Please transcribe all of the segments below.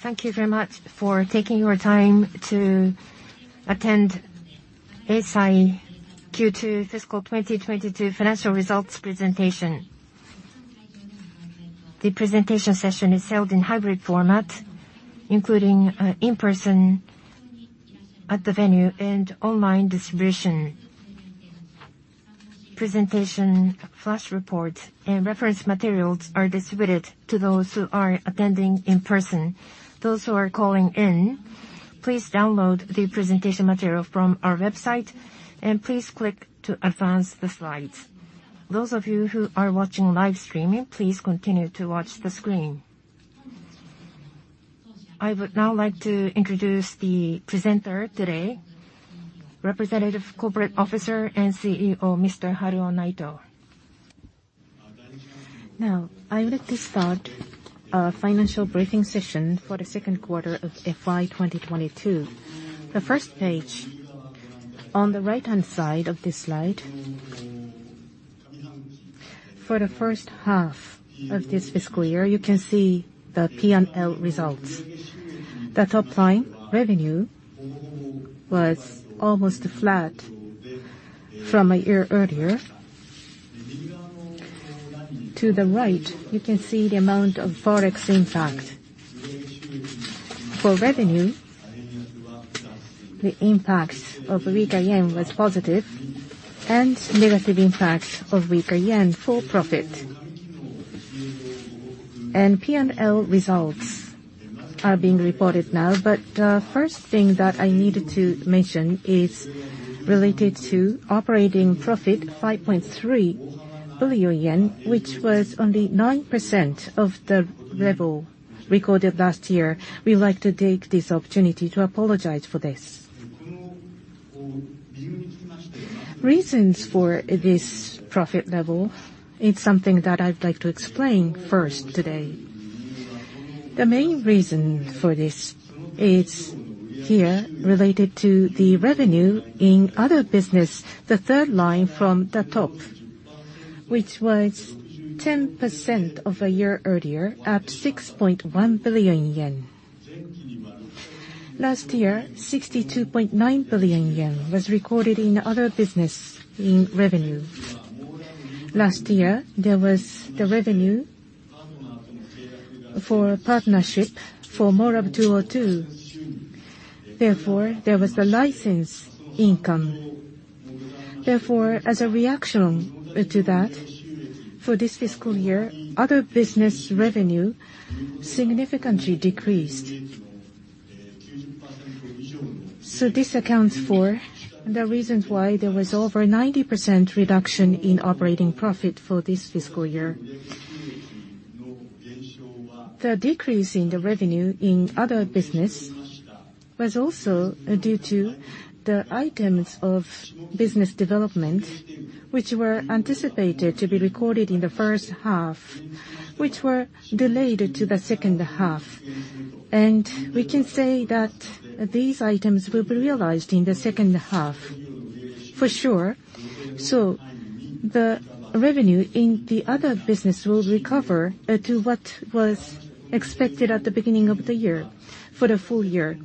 Thank you very much for taking your time to attend Eisai Q2 fiscal 2022 financial results presentation. The presentation session is held in hybrid format, including in-person at the venue and online distribution. Presentation flash report and reference materials are distributed to those who are attending in person. Those who are calling in, please download the presentation material from our website and please click to advance the slides. Those of you who are watching live streaming, please continue to watch the screen. I would now like to introduce the presenter today, Representative Corporate Officer and CEO, Mr. Haruo Naito. Now, I would like to start our financial briefing session for the second quarter of FY 2022. The first page, on the right-hand side of this slide, for the first half of this fiscal year, you can see the P&L results. The top line, revenue, was almost flat from a year earlier. To the right, you can see the amount of Forex impact. For revenue, the impacts of weaker yen was positive and negative impacts of weaker yen for profit. P&L results are being reported now, but first thing that I needed to mention is related to operating profit, 5.3 billion yen, which was only 9% of the level recorded last year. We'd like to take this opportunity to apologize for this. Reasons for this profit level is something that I'd like to explain first today. The main reason for this is here related to the revenue in other business, the third line from the top, which was 10% of a year earlier at 6.1 billion yen. Last year, 62.9 billion yen was recorded in other business in revenue. Last year, there was the revenue for partnership for MORAb-202. Therefore, there was the license income. Therefore, as a reaction to that, for this fiscal year, other business revenue significantly decreased. This accounts for the reasons why there was over 90% reduction in operating profit for this fiscal year. The decrease in the revenue in other business was also due to the items of business development, which were anticipated to be recorded in the first half, which were delayed to the second half. We can say that these items will be realized in the second half for sure. The revenue in the other business will recover to what was expected at the beginning of the year for the full year.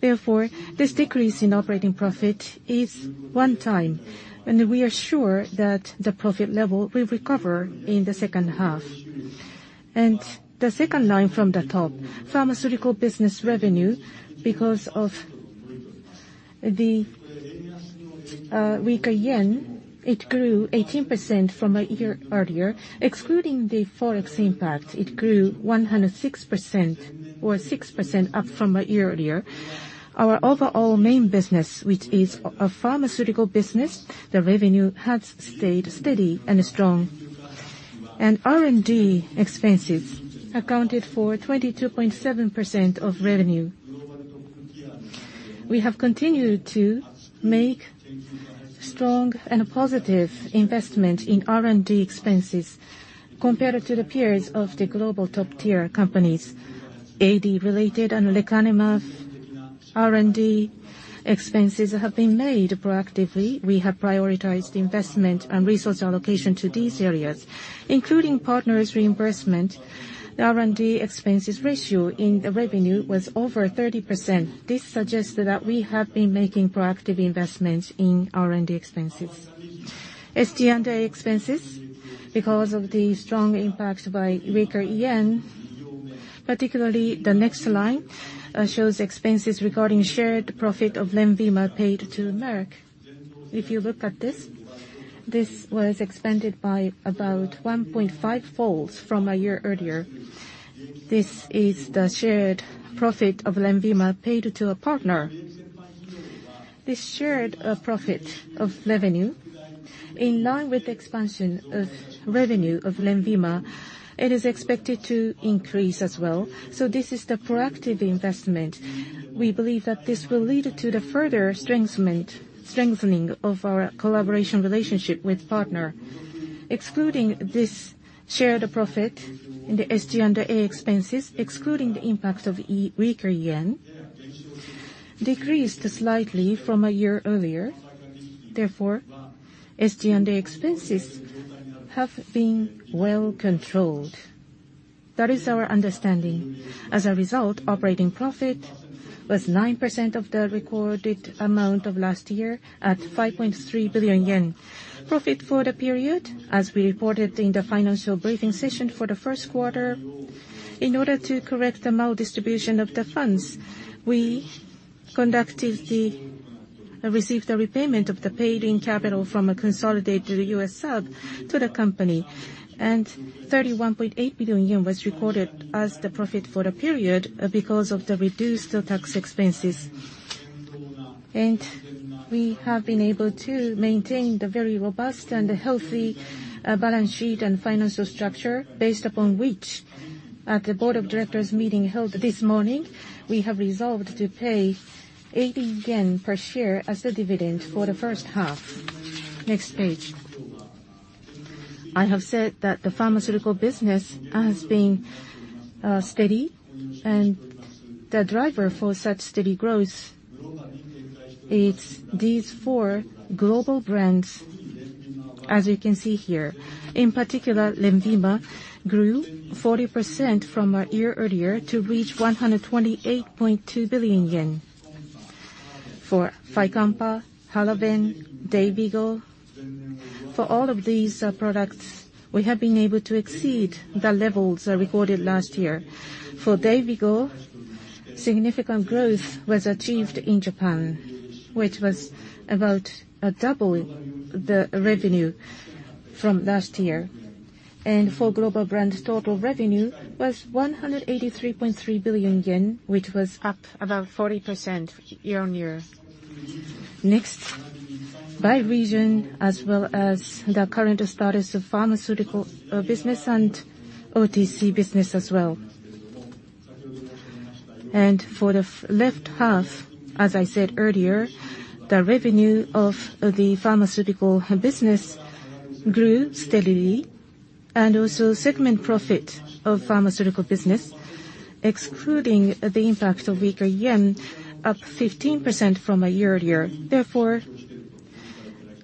Therefore, this decrease in operating profit is one-time, and we are sure that the profit level will recover in the second half. The second line from the top, pharmaceutical business revenue, because of the weaker yen, it grew 18% from a year earlier. Excluding the Forex impact, it grew 106% or 6% up from a year earlier. Our overall main business, which is a pharmaceutical business, the revenue has stayed steady and strong. R&D expenses accounted for 22.7% of revenue. We have continued to make strong and positive investment in R&D expenses compared to the peers of the global top-tier companies. AD related and lecanemab R&D expenses have been made proactively. We have prioritized investment and resource allocation to these areas. Including partners' reimbursement, the R&D expenses ratio in the revenue was over 30%. This suggests that we have been making proactive investments in R&D expenses. SG&A expenses, because of the strong impact by weaker yen, particularly the next line, shows expenses regarding shared profit of LENVIMA paid to Merck. If you look at this was expanded by about 1.5-fold from a year earlier. This is the shared profit of LENVIMA paid to a partner. This shared profit of revenue, in line with the expansion of revenue of LENVIMA, it is expected to increase as well. This is the proactive investment. We believe that this will lead to the further strengthening of our collaboration relationship with partner. Excluding this shared profit in the SG&A expenses, excluding the impact of weaker yen, decreased slightly from a year earlier. Therefore, SG&A expenses have been well controlled. That is our understanding. As a result, operating profit was 9% of the recorded amount of last year at 5.3 billion yen. Profit for the period, as we reported in the financial briefing session for the first quarter, in order to correct the maldistribution of the funds, we received the repayment of the paid-in capital from a consolidated U.S. sub to the company. Thirty-one point eight billion yen was recorded as the profit for the period because of the reduced tax expenses. We have been able to maintain the very robust and healthy balance sheet and financial structure, based upon which, at the board of directors meeting held this morning, we have resolved to pay 80 yen per share as the dividend for the first half. Next page. I have said that the pharmaceutical business has been steady, and the driver for such steady growth is these four global brands as you can see here. In particular, LENVIMA grew 40% from a year earlier to reach 128.2 billion yen. For Fycompa, HALAVEN, Dayvigo, for all of these products, we have been able to exceed the levels recorded last year. For Dayvigo, significant growth was achieved in Japan, which was about double the revenue from last year. For global brands, total revenue was 183.3 billion yen, which was up about 40% year-on-year. Next. By region as well as the current status of pharmaceutical business and OTC business as well. For the left half, as I said earlier, the revenue of the pharmaceutical business grew steadily, and also segment profit of pharmaceutical business, excluding the impact of weaker yen, up 15% from a year earlier. Therefore,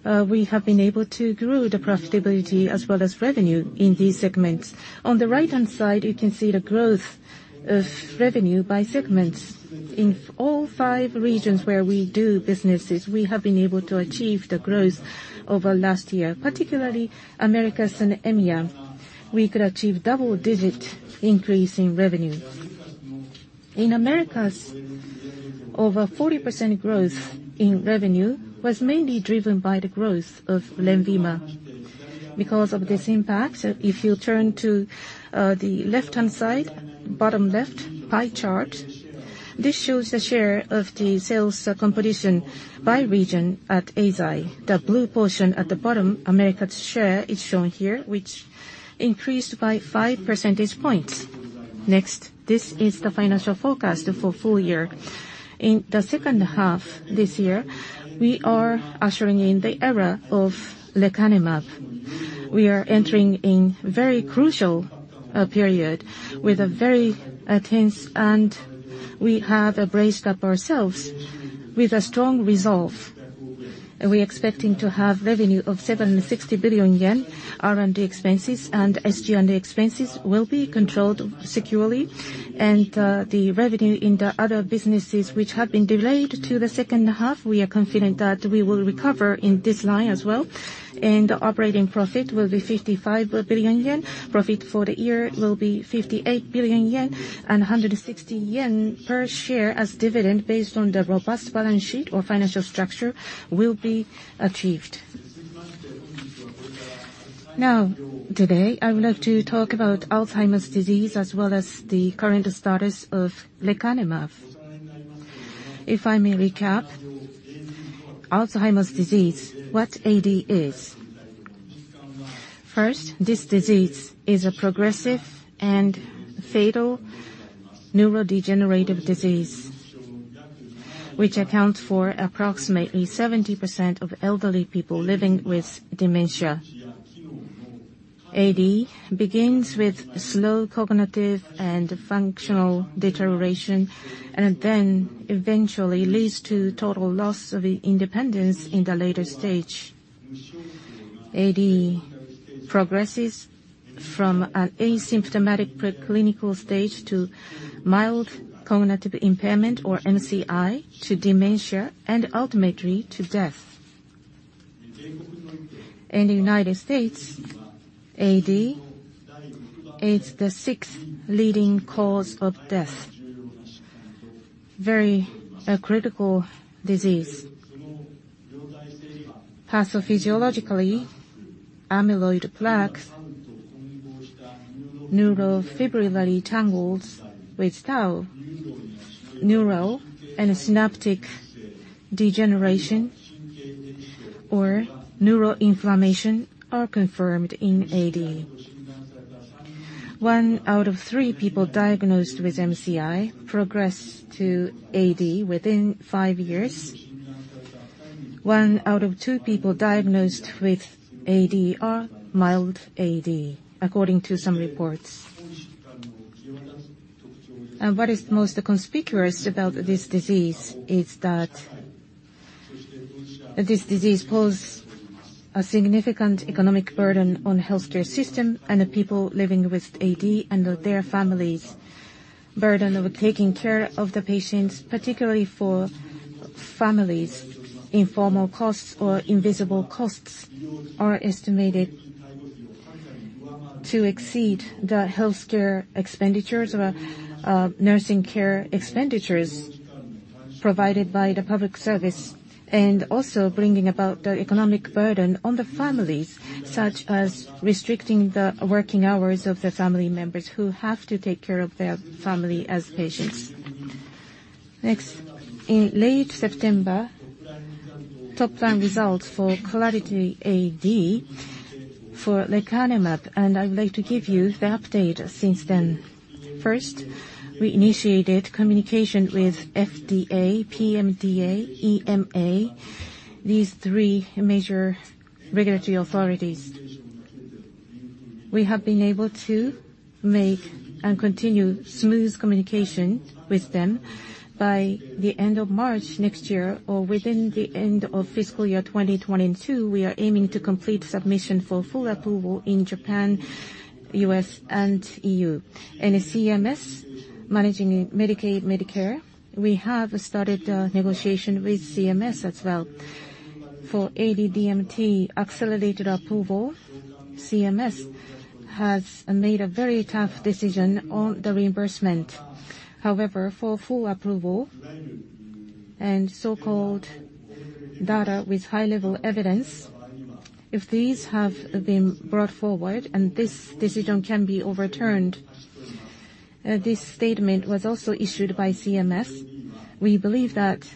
we have been able to grow the profitability as well as revenue in these segments. On the right-hand side, you can see the growth of revenue by segments. In all five regions where we do businesses, we have been able to achieve the growth over last year. Particularly Americas and EMEA, we could achieve double-digit increase in revenue. In Americas, over 40% growth in revenue was mainly driven by the growth of LENVIMA. Because of this impact, if you'll turn to the left-hand side, bottom left pie chart, this shows the share of the sales composition by region at Eisai. The blue portion at the bottom, Americas share, is shown here, which increased by five percentage points. Next. This is the financial forecast for full year. In the second half this year, we are ushering in the era of lecanemab. We are entering a very crucial period with a very tense, and we have braced up ourselves with a strong resolve. We're expecting to have revenue of 760 billion yen. R&D expenses and SG&A expenses will be controlled securely. The revenue in the other businesses which have been delayed to the second half, we are confident that we will recover in this line as well. Operating profit will be 55 billion yen. Profit for the year will be 58 billion yen. 160 yen per share as dividend, based on the robust balance sheet or financial structure, will be achieved. Now, today, I would like to talk about Alzheimer's disease as well as the current status of lecanemab. If I may recap, Alzheimer's disease, what AD is. First, this disease is a progressive and fatal neurodegenerative disease which accounts for approximately 70% of elderly people living with dementia. AD begins with slow cognitive and functional deterioration, and then eventually leads to total loss of independence in the later stage. AD progresses from an asymptomatic preclinical stage to mild cognitive impairment, or MCI, to dementia, and ultimately to death. In the United States, AD is the sixth leading cause of death. Very, a critical disease. Pathophysiologically, amyloid plaques, neurofibrillary tangles with tau, neural and synaptic degeneration, or neural inflammation are confirmed in AD. One out of three people diagnosed with MCI progress to AD within five years. One out of two people diagnosed with AD are mild AD, according to some reports. What is most conspicuous about this disease is that this disease pose a significant economic burden on healthcare system and the people living with AD and their families. Burden of taking care of the patients, particularly for families. Informal costs or invisible costs are estimated to exceed the healthcare expenditures or, nursing care expenditures provided by the public service. Also bringing about the economic burden on the families, such as restricting the working hours of the family members who have to take care of their family as patients. Next, in late September, top line results for Clarity AD for lecanemab, and I would like to give you the update since then. First, we initiated communication with FDA, PMDA, EMA, these three major regulatory authorities. We have been able to make and continue smooth communication with them. By the end of March next year or within the end of fiscal year 2022, we are aiming to complete submission for full approval in Japan, U.S. and EU. CMS managing Medicaid, Medicare, we have started negotiation with CMS as well. For AD DMT accelerated approval, CMS has made a very tough decision on the reimbursement. However, for full approval and so-called data with high level evidence, if these have been brought forward and this decision can be overturned, this statement was also issued by CMS. We believe that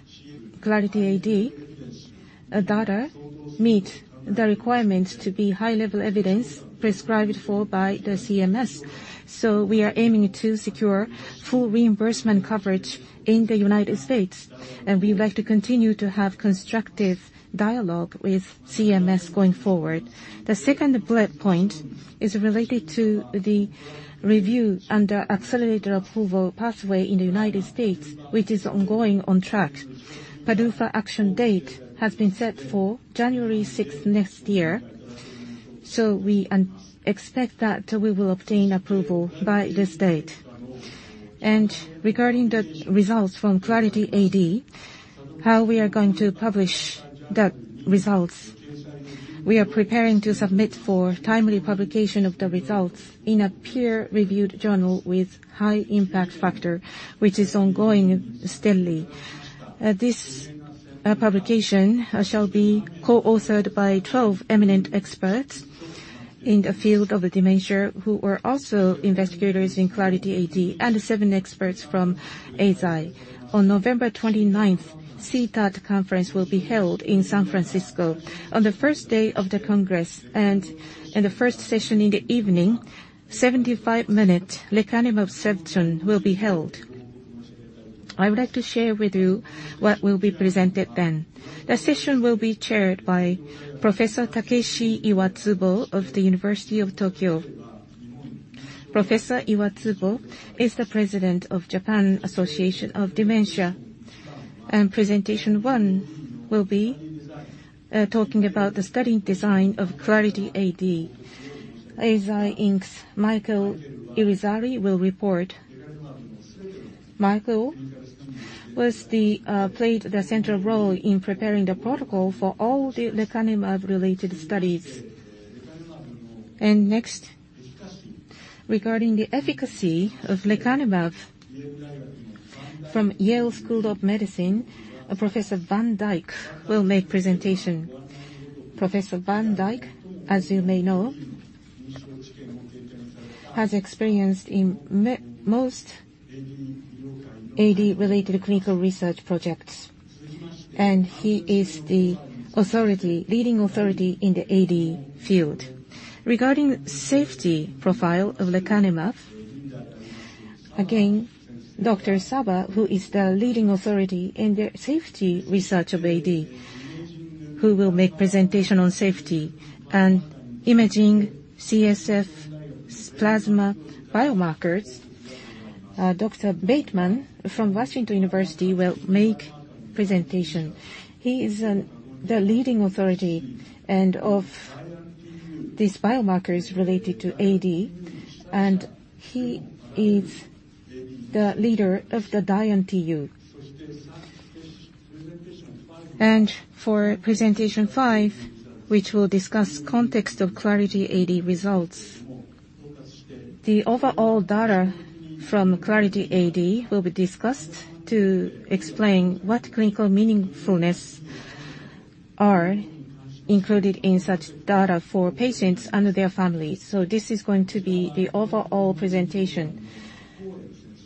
Clarity AD data meet the requirements to be high level evidence prescribed for by the CMS. We are aiming to secure full reimbursement coverage in the United States, and we would like to continue to have constructive dialogue with CMS going forward. The second bullet point is related to the review under accelerated approval pathway in the United States, which is ongoing on track. PDUFA action date has been set for January 6 next year, so we expect that we will obtain approval by this date. Regarding the results from Clarity AD, how we are going to publish the results. We are preparing to submit for timely publication of the results in a peer-reviewed journal with high impact factor, which is ongoing steadily. This publication shall be co-authored by 12 eminent experts in the field of the dementia who are also investigators in Clarity AD, and seven experts from Eisai. On November 29, CTAD conference will be held in San Francisco. On the first day of the congress and in the first session in the evening, 75-minute lecanemab session will be held. I would like to share with you what will be presented then. The session will be chaired by Professor Takeshi Iwatsubo of the University of Tokyo. Professor Iwatsubo is the president of Japanese Society for Dementia Research. Presentation one will be talking about the study design of Clarity AD. Eisai Inc.'s Michael Irizarry will report. Michael played the central role in preparing the protocol for all the lecanemab related studies. Next, regarding the efficacy of lecanemab from Yale School of Medicine, Professor Christopher van Dyck will make presentation. Professor Christopher van Dyck, as you may know, has experience in most AD-related clinical research projects, and he is the leading authority in the AD field. Regarding safety profile of lecanemab, Dr. Stephen Salloway, who is the leading authority in the safety research of AD, will make presentation on safety and imaging CSF plasma biomarkers. Bateman from Washington University will make presentation. He is the leading authority on these biomarkers related to AD, and he is the leader of the DIAN-TU. For presentation five, which will discuss context of Clarity AD results. The overall data from Clarity AD will be discussed to explain what clinical meaningfulness are included in such data for patients and their families. This is going to be the overall presentation.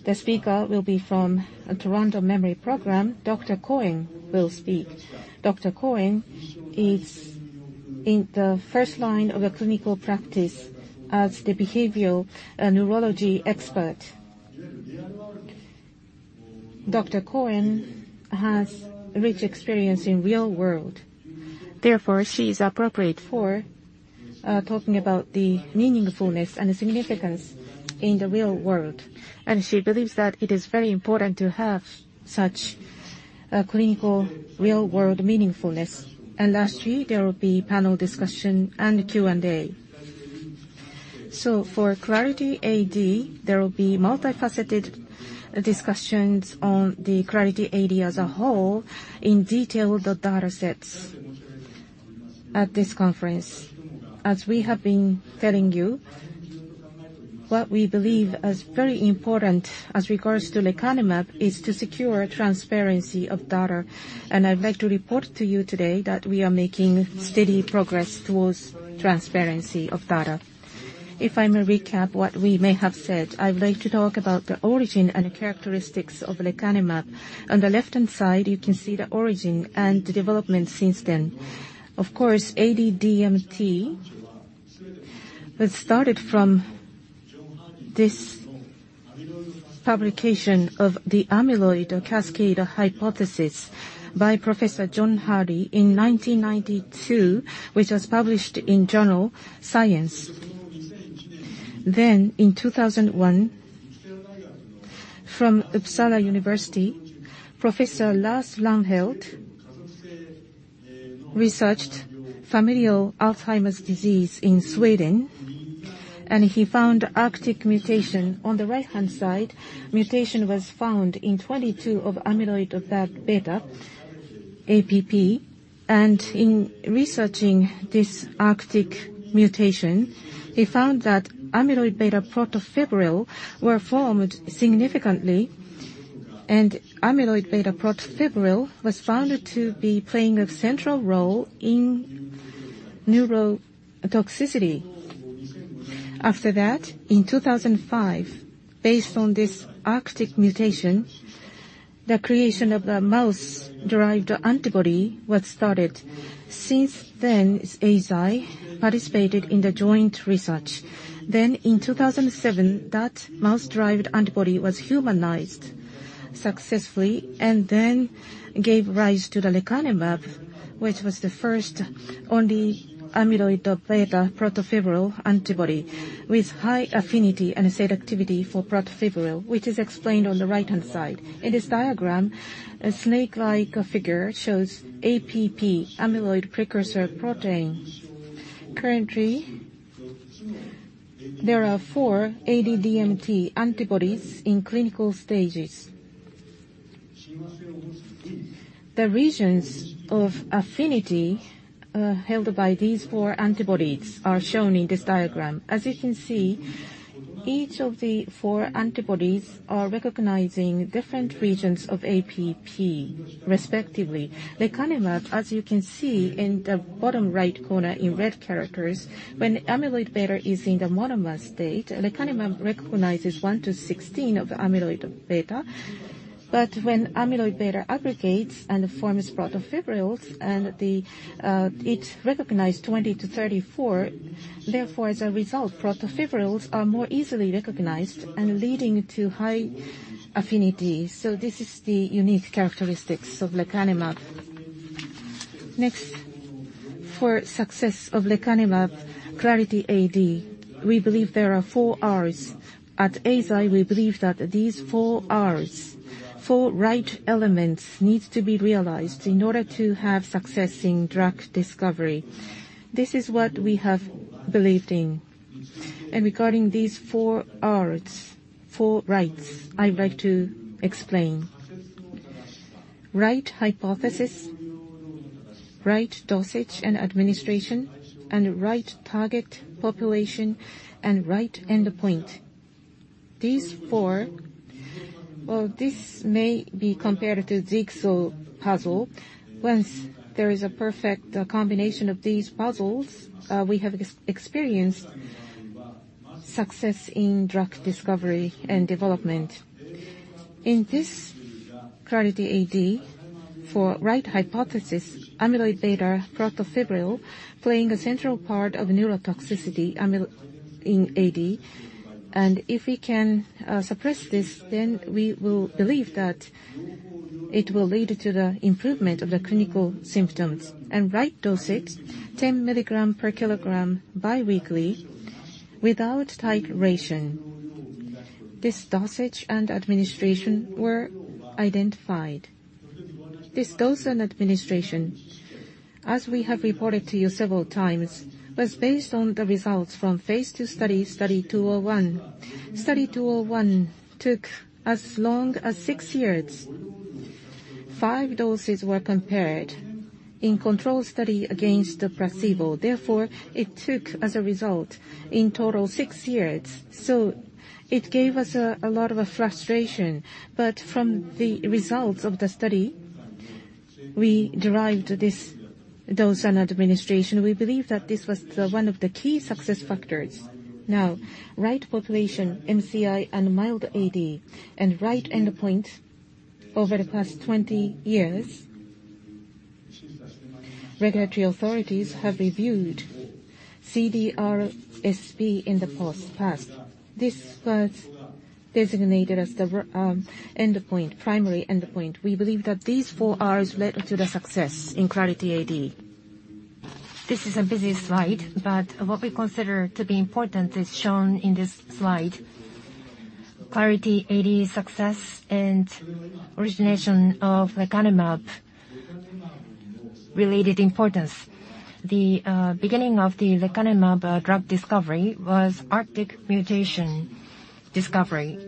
The speaker will be from Toronto Memory Program. Dr. Cohen will speak. Dr. Cohen is in the front line of a clinical practice as the behavioral neurology expert. Dr. Cohen has rich experience in real world. Therefore, she is appropriate for talking about the meaningfulness and significance in the real world. She believes that it is very important to have such a clinical real-world meaningfulness. Lastly, there will be panel discussion and Q&A. For Clarity AD, there will be multifaceted discussions on the Clarity AD as a whole in detail the data sets at this conference. As we have been telling you, what we believe as very important as regards to lecanemab is to secure transparency of data. I'd like to report to you today that we are making steady progress towards transparency of data. If I may recap what we may have said, I would like to talk about the origin and characteristics of lecanemab. On the left-hand side, you can see the origin and the development since then. Of course, AD DMT that started from this publication of the amyloid cascade hypothesis by Professor John Hardy in 1992, which was published in Science. In 2001, from Uppsala University, Professor Lars Lannfelt researched familial Alzheimer's disease in Sweden, and he found Arctic mutation. On the right-hand side, mutation was found in 22 of amyloid of that beta, APP. In researching this Arctic mutation, he found that amyloid beta protofibril were formed significantly, and amyloid beta protofibril was found to be playing a central role in neurotoxicity. After that, in 2005, based on this Arctic mutation, the creation of the mouse-derived antibody was started. Since then, Eisai participated in the joint research. In 2007, that mouse-derived antibody was humanized successfully, and then gave rise to the lecanemab, which was the first only amyloid beta protofibril antibody with high affinity and selectivity for protofibril, which is explained on the right-hand side. In this diagram, a snake-like figure shows APP, amyloid precursor protein. Currently, there are four AD DMT antibodies in clinical stages. The regions of affinity held by these four antibodies are shown in this diagram. As you can see, each of the four antibodies are recognizing different regions of APP, respectively. Lecanemab, as you can see in the bottom right corner in red characters, when amyloid beta is in the monomer state, lecanemab recognizes 1-16 of amyloid beta. But when amyloid beta aggregates and forms protofibrils, it recognize 20-34. Therefore, as a result, protofibrils are more easily recognized and leading to high affinity. So this is the unique characteristics of lecanemab. Next, for success of lecanemab Clarity AD, we believe there are four Rs. At Eisai, we believe that these four Rs, four right elements needs to be realized in order to have success in drug discovery. This is what we have believed in. Regarding these four Rs, four rights, I'd like to explain. Right hypothesis, right dosage and administration, and right target population, and right endpoint. This may be compared to jigsaw puzzle. Once there is a perfect combination of these puzzles, we have experienced success in drug discovery and development. In this Clarity AD, for right hypothesis, amyloid beta protofibril playing a central part of neurotoxicity in AD. If we can suppress this, then we will believe that it will lead to the improvement of the clinical symptoms. Right dosage, 10 milligrams per kilogram bi-weekly without titration. This dosage and administration were identified. This dose and administration, as we have reported to you several times, was based on the results from phase 2 study, Study 201. Study 201 took as long as 6 years. Five doses were compared in control study against the placebo. Therefore, it took as a result in total 6 years. It gave us a lot of frustration. From the results of the study, we derived this dose and administration. We believe that this was the one of the key success factors. Now, right population, MCI, and mild AD, and right endpoint. Over the past 20 years. Regulatory authorities have reviewed CDR-SB in the past. This was designated as the endpoint, primary endpoint. We believe that these four Rs led to the success in Clarity AD. This is a busy slide, but what we consider to be important is shown in this slide. Clarity AD success and origination of lecanemab related importance. The beginning of the lecanemab drug discovery was Arctic mutation discovery.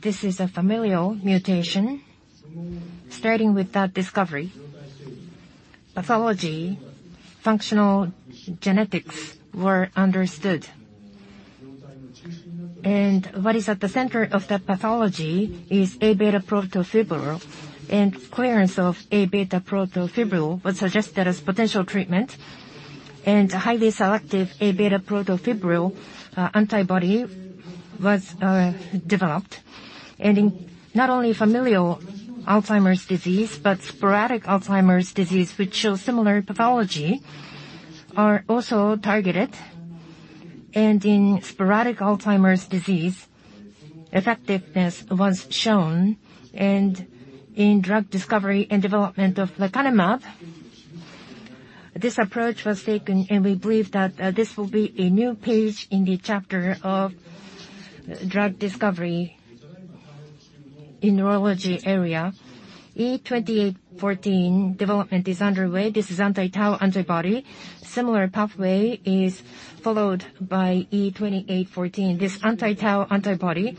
This is a familial mutation. Starting with that discovery, pathology, functional genetics were understood. What is at the center of that pathology is Aβ protofibril, and clearance of Aβ protofibril was suggested as potential treatment. Highly selective Aβ protofibril antibody was developed. In not only familial Alzheimer's disease, but sporadic Alzheimer's disease which show similar pathology are also targeted. In sporadic Alzheimer's disease, effectiveness was shown. In drug discovery and development of lecanemab, this approach was taken, and we believe that this will be a new page in the chapter of drug discovery in neurology area. E2814 development is underway. This is anti-tau antibody. Similar pathway is followed by E2814. This anti-tau antibody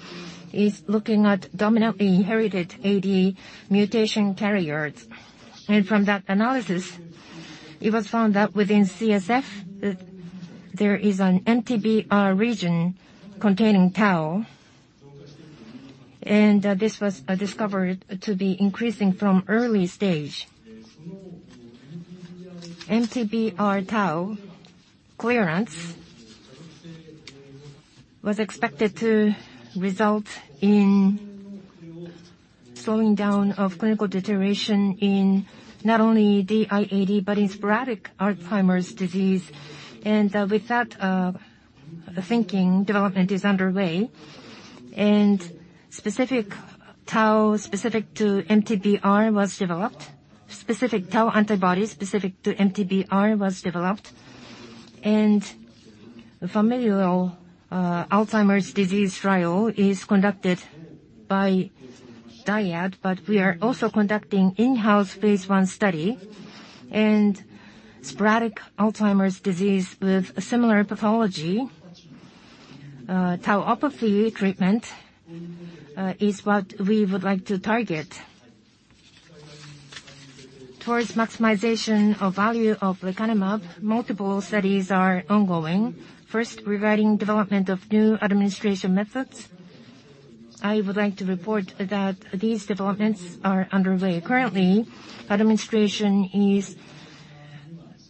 is looking at dominantly inherited AD mutation carriers. From that analysis, it was found that within CSF, there is an MTBR region containing tau. This was discovered to be increasing from early stage. MTBR tau clearance was expected to result in slowing down of clinical deterioration in not only DIAD, but in sporadic Alzheimer's disease. With that thinking, development is underway. Specific tau antibody specific to MTBR was developed. The familial Alzheimer's disease trial is conducted by DIAD, but we are also conducting in-house phase one study. Sporadic Alzheimer's disease with similar pathology, tauopathy treatment, is what we would like to target. Toward maximization of value of lecanemab, multiple studies are ongoing. First, regarding development of new administration methods, I would like to report that these developments are underway. Currently, administration is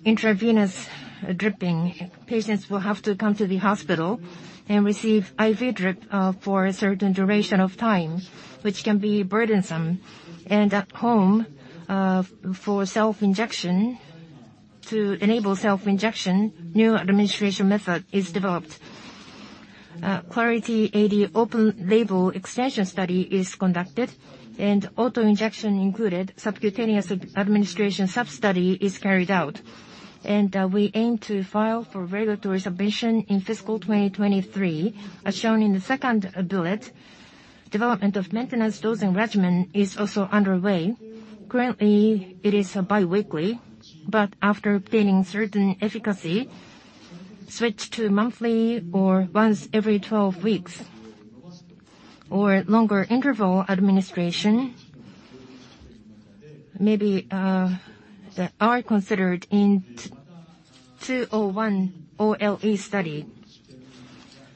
intravenous dripping. Patients will have to come to the hospital and receive IV drip for a certain duration of time, which can be burdensome. At home, for self-injection, to enable self-injection, new administration method is developed. Clarity AD open-label extension study is conducted, and auto-injection included subcutaneous administration sub-study is carried out. We aim to file for regulatory submission in fiscal 2023, as shown in the second bullet. Development of maintenance dosing regimen is also underway. Currently, it is bi-weekly, but after obtaining certain efficacy, switch to monthly or once every 12 weeks or longer interval administration maybe are considered in Study 201 OLE study.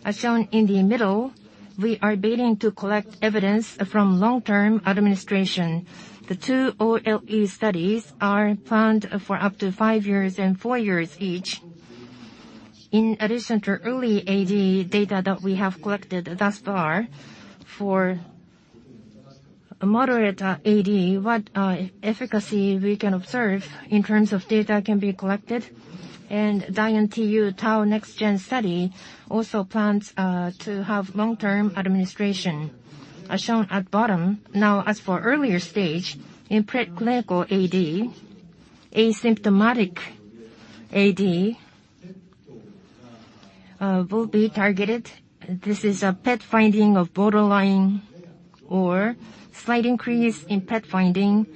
As shown in the middle, we are beginning to collect evidence from long-term administration. The two OLE studies are planned for up to five years and four years each. In addition to early AD data that we have collected thus far, for moderate AD, what efficacy we can observe in terms of data can be collected. DIAN-TU Tau Next-Gen study also plans to have long-term administration. As shown at bottom, now as for earlier stage in preclinical AD, asymptomatic AD, will be targeted. This is a PET finding of borderline or slight increase in PET finding.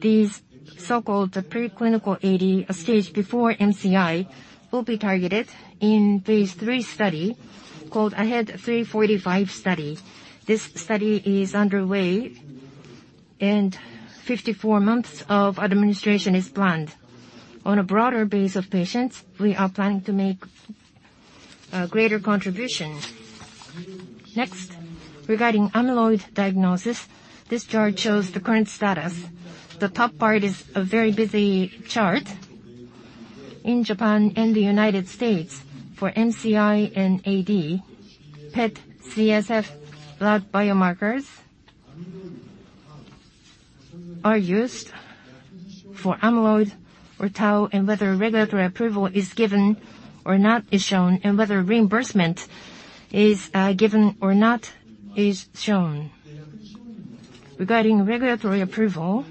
These so-called preclinical AD, a stage before MCI, will be targeted in phase 3 study called AHEAD 3-45 study. This study is underway and 54 months of administration is planned. On a broader base of patients, we are planning to make a greater contribution. Next, regarding amyloid diagnosis, this chart shows the current status. The top part is a very busy chart. In Japan and the United States for MCI and AD, PET CSF blood biomarkers are used for amyloid or tau, and whether regulatory approval is given or not is shown, and whether reimbursement is given or not is shown. Regarding regulatory approval,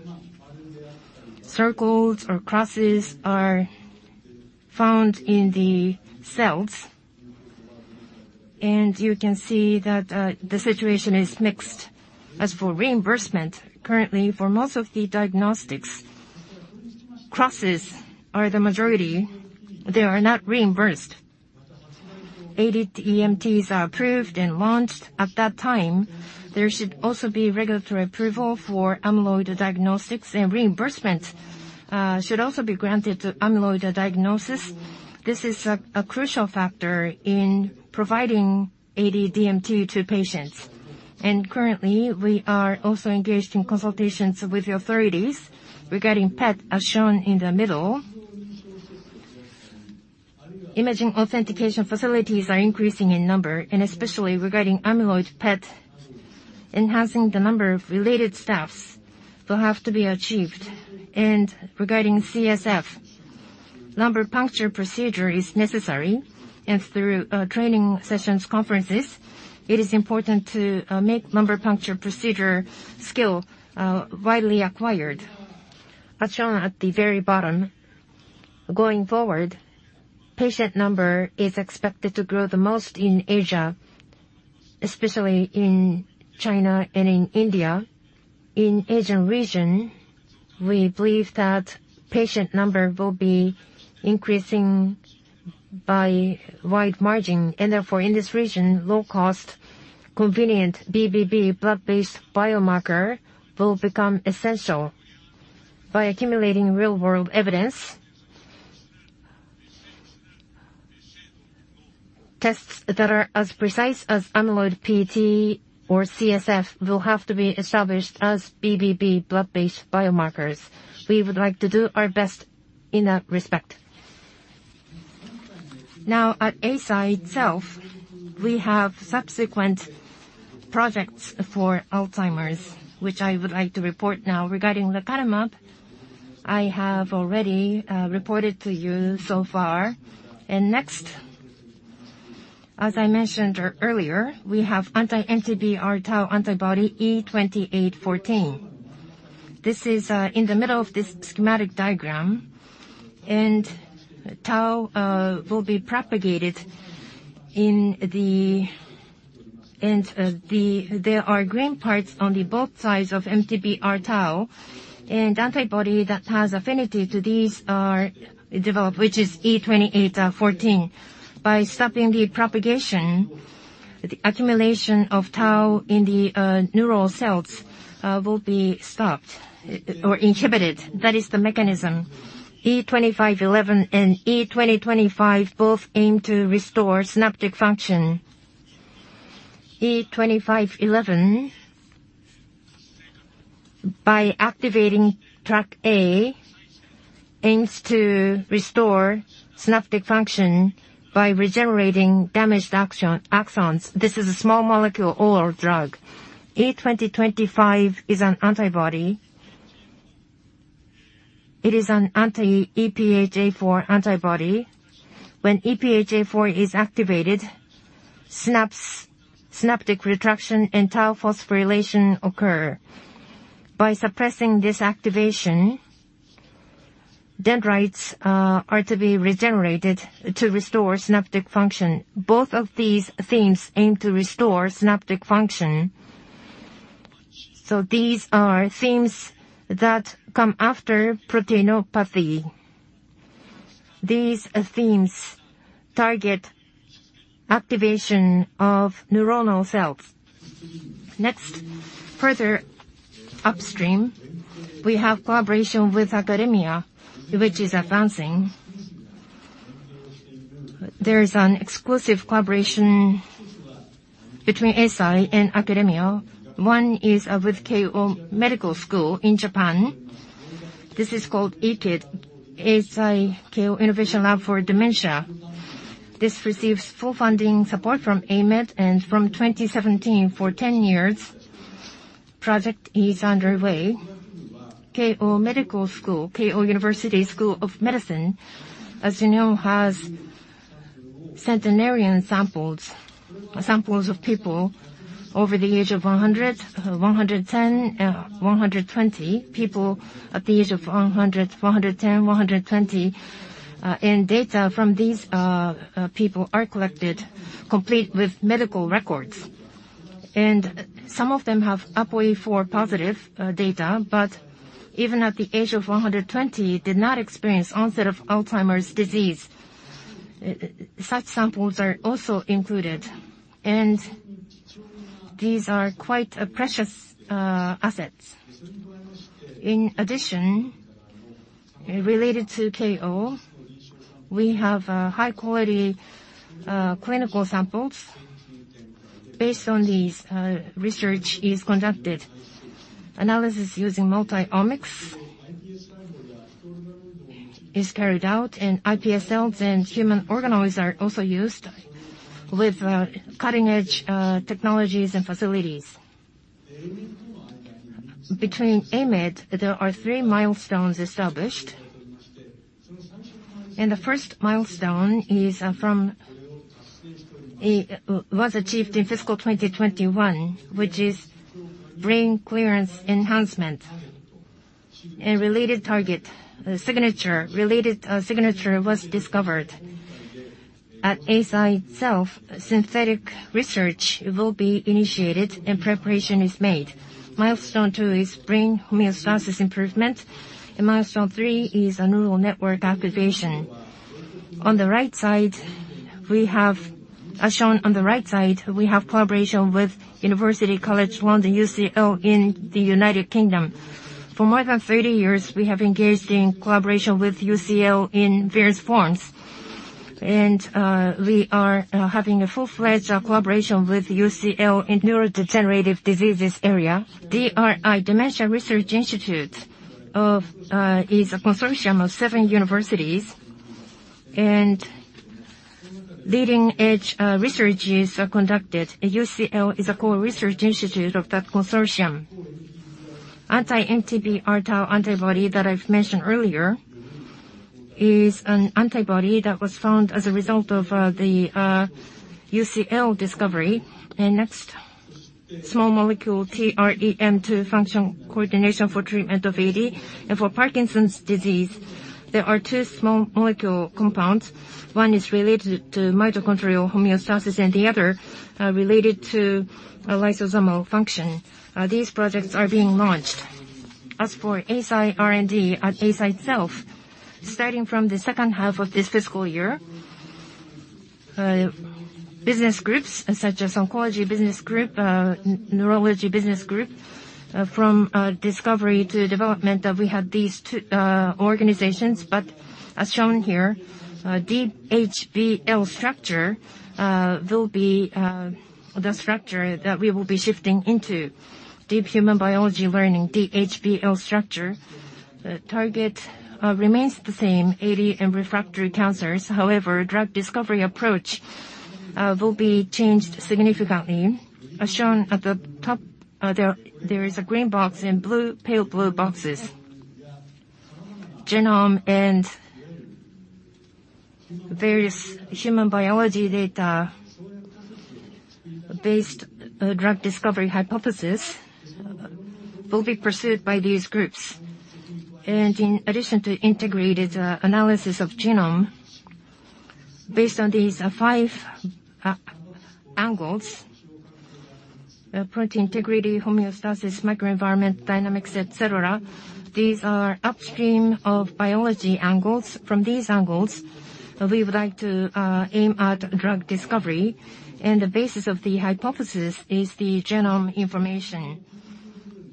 circles or crosses are found in the cells, and you can see that the situation is mixed. As for reimbursement, currently, for most of the diagnostics, crosses are the majority. They are not reimbursed. AD DMTs are approved and launched. At that time, there should also be regulatory approval for amyloid diagnostics, and reimbursement should also be granted to amyloid diagnosis. This is a crucial factor in providing AD DMT to patients. Currently, we are also engaged in consultations with the authorities regarding PET, as shown in the middle. Imaging authentication facilities are increasing in number, and especially regarding amyloid PET, enhancing the number of related staffs will have to be achieved. Regarding CSF, lumbar puncture procedure is necessary. Through training sessions, conferences, it is important to make lumbar puncture procedure skill widely acquired. As shown at the very bottom, going forward, patient number is expected to grow the most in Asia, especially in China and in India. In Asian region, we believe that patient number will be increasing by wide margin. Therefore, in this region, low cost, convenient BBB, blood-based biomarker, will become essential. By accumulating real-world evidence, tests that are as precise as amyloid PET or CSF will have to be established as BBB, blood-based biomarkers. We would like to do our best in that respect. Now, at Eisai itself, we have subsequent projects for Alzheimer's, which I would like to report now. Regarding Lecanemab, I have already reported to you so far. Next, as I mentioned earlier, we have anti-MTBR tau antibody E2814. This is in the middle of this schematic diagram, and tau will be propagated in the. There are green parts on both sides of MTBR tau, and antibody that has affinity to these are developed, which is E2814. By stopping the propagation, the accumulation of tau in the neural cells will be stopped or inhibited. That is the mechanism. E2511 and E2025 both aim to restore synaptic function. E2511, by activating TrkA, aims to restore synaptic function by regenerating damaged axons. This is a small molecule oral drug. E2025 is an antibody. It is an anti-EphA4 antibody. When EphA4 is activated, synaptic retraction and tau phosphorylation occur. By suppressing this activation, dendrites are to be regenerated to restore synaptic function. Both of these themes aim to restore synaptic function. These are themes that come after proteinopathy. These themes target activation of neuronal cells. Next, further upstream, we have collaboration with academia, which is advancing. There is an exclusive collaboration between Eisai and academia. One is with Keio Medical School in Japan. This is called EKID, Eisai Keio Innovation Lab for Dementia. This receives full funding support from AMED and from 2017 for 10 years. Project is underway. Keio Medical School, Keio University School of Medicine, as you know, has centenarian samples. Samples of people over the age of 100, 110, 120. Data from these people are collected, complete with medical records. Some of them have APOE4 positive data, but even at the age of 120, did not experience onset of Alzheimer's disease. Such samples are also included, and these are quite a precious assets. In addition, related to Keio, we have high quality clinical samples. Based on these, research is conducted. Analysis using multi-omics is carried out, and iPS cells and human organoids are also used with cutting-edge technologies and facilities. By AMED, there are three milestones established. The first milestone was achieved in fiscal 2021, which is brain clearance enhancement. A related target signature was discovered. At Eisai itself, synthetic research will be initiated and preparation is made. Milestone 2 is brain homeostasis improvement, and milestone 3 is a neural network activation. As shown on the right side, we have collaboration with University College London, UCL, in the United Kingdom. For more than 30 years, we have engaged in collaboration with UCL in various forms. We are having a full-fledged collaboration with UCL in neurodegenerative diseases area. DRI, U.K. Dementia Research Institute, is a consortium of seven universities, and leading-edge research is conducted. UCL is a core research institute of that consortium. Anti-MTBR tau antibody that I've mentioned earlier is an antibody that was found as a result of the UCL discovery. Small molecule TREM2 function coordination for treatment of AD. For Parkinson's disease, there are 2 small molecule compounds. One is related to mitochondrial homeostasis, and the other related to lysosomal function. These projects are being launched. As for Eisai R&D at Eisai itself, starting from the second half of this fiscal year, business groups such as Oncology Business Group, Neurology Business Group, from discovery to development, we have these two organizations. As shown here, DHBL structure will be the structure that we will be shifting into. Deep Human Biology Learning, DHBL structure. The target remains the same, AD and refractory cancers. However, drug discovery approach will be changed significantly. As shown at the top, there is a green box and blue, pale blue boxes. Genome and various human biology data based drug discovery hypothesis will be pursued by these groups. In addition to integrated analysis of genome based on these five angles, protein integrity, homeostasis, microenvironment, dynamics, et cetera. These are upstream of biology angles. From these angles, we would like to aim at drug discovery. The basis of the hypothesis is the genome information.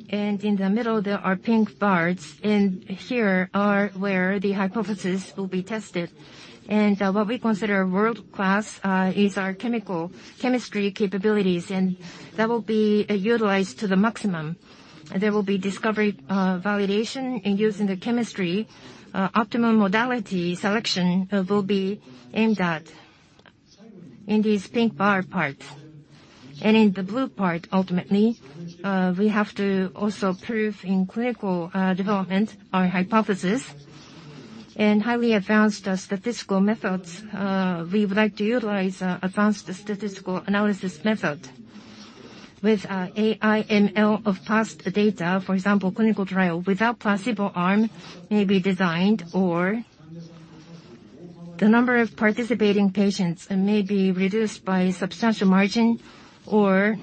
In the middle, there are pink bars, and here are where the hypothesis will be tested. What we consider world-class is our chemistry capabilities, and that will be utilized to the maximum. There will be discovery, validation and using the chemistry, optimum modality selection, will be aimed at in this pink bar part. In the blue part, ultimately, we have to also prove in clinical development our hypothesis and highly advanced statistical methods. We would like to utilize advanced statistical analysis method. With AI/ML of past data, for example, clinical trial without placebo arm may be designed or the number of participating patients may be reduced by substantial margin, or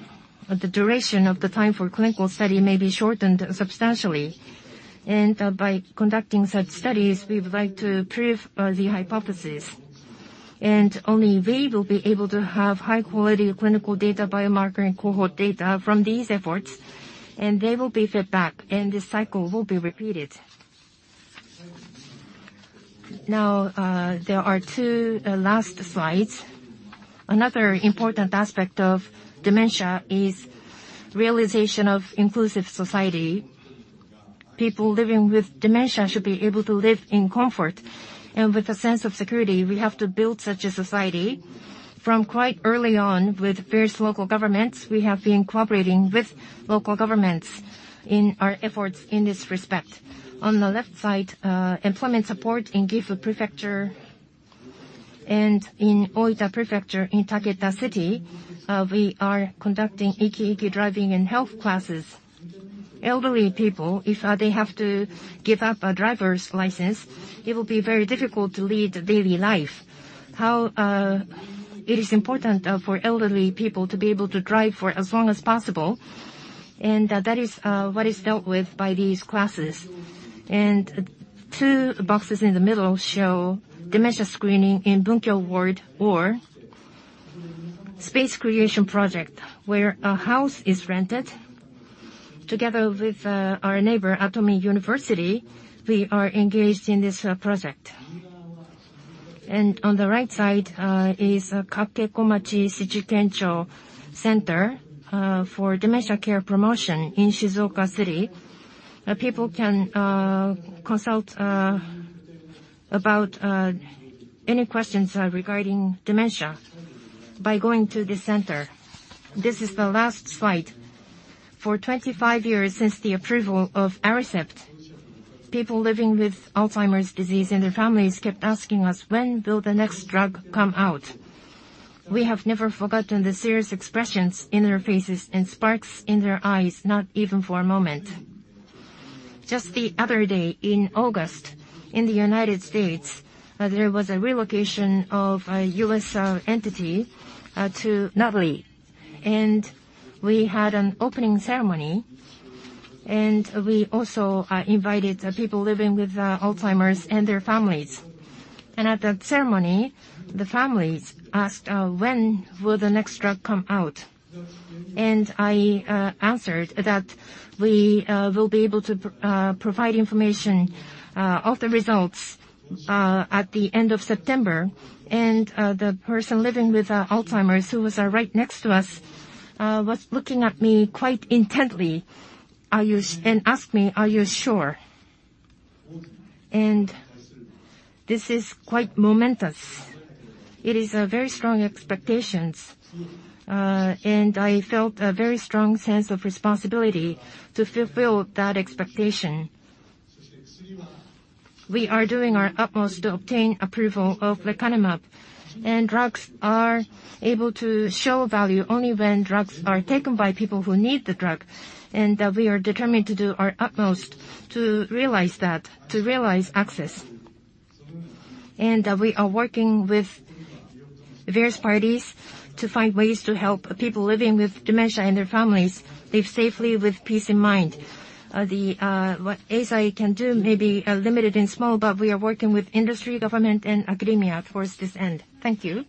the duration of the time for clinical study may be shortened substantially. By conducting such studies, we would like to prove the hypothesis. Only we will be able to have high-quality clinical data, biomarker and cohort data from these efforts, and they will be fed back, and this cycle will be repeated. Now, there are two last slides. Another important aspect of dementia is realization of inclusive society. People living with dementia should be able to live in comfort and with a sense of security. We have to build such a society. From quite early on with various local governments, we have been cooperating with local governments in our efforts in this respect. On the left side, employment support in Gifu Prefecture and in Oita Prefecture, in Taketa City, we are conducting ikiiki driving and health classes. Elderly people, if they have to give up a driver's license, it will be very difficult to lead daily life. How it is important for elderly people to be able to drive for as long as possible, and that is what is dealt with by these classes. Two boxes in the middle show dementia screening in Bunkyo Ward or space creation project, where a house is rented. Together with our neighbor, Atomi University, we are engaged in this project. On the right side is Kakekomi-dera Shichikenchō Center for dementia care promotion in Shizuoka City. People can consult about any questions regarding dementia by going to this center. This is the last slide. For 25 years since the approval of Aricept, people living with Alzheimer's disease and their families kept asking us, "When will the next drug come out?" We have never forgotten the serious expressions in their faces and sparks in their eyes, not even for a moment. Just the other day in August, in the United States, there was a relocation of a U.S. entity to Nutley. We had an opening ceremony, and we also invited people living with Alzheimer's and their families. At that ceremony, the families asked, "When will the next drug come out?" I answered that we will be able to provide information of the results at the end of September. The person living with Alzheimer's who was right next to us was looking at me quite intently and asked me, "Are you sure?" This is quite momentous. It is very strong expectations. I felt a very strong sense of responsibility to fulfill that expectation. We are doing our utmost to obtain approval of lecanemab. Drugs are able to show value only when drugs are taken by people who need the drug. We are determined to do our utmost to realize that, to realize access. We are working with various parties to find ways to help people living with dementia and their families live safely with peace in mind. What Eisai can do may be limited and small, but we are working with industry, government, and academia towards this end. Thank you.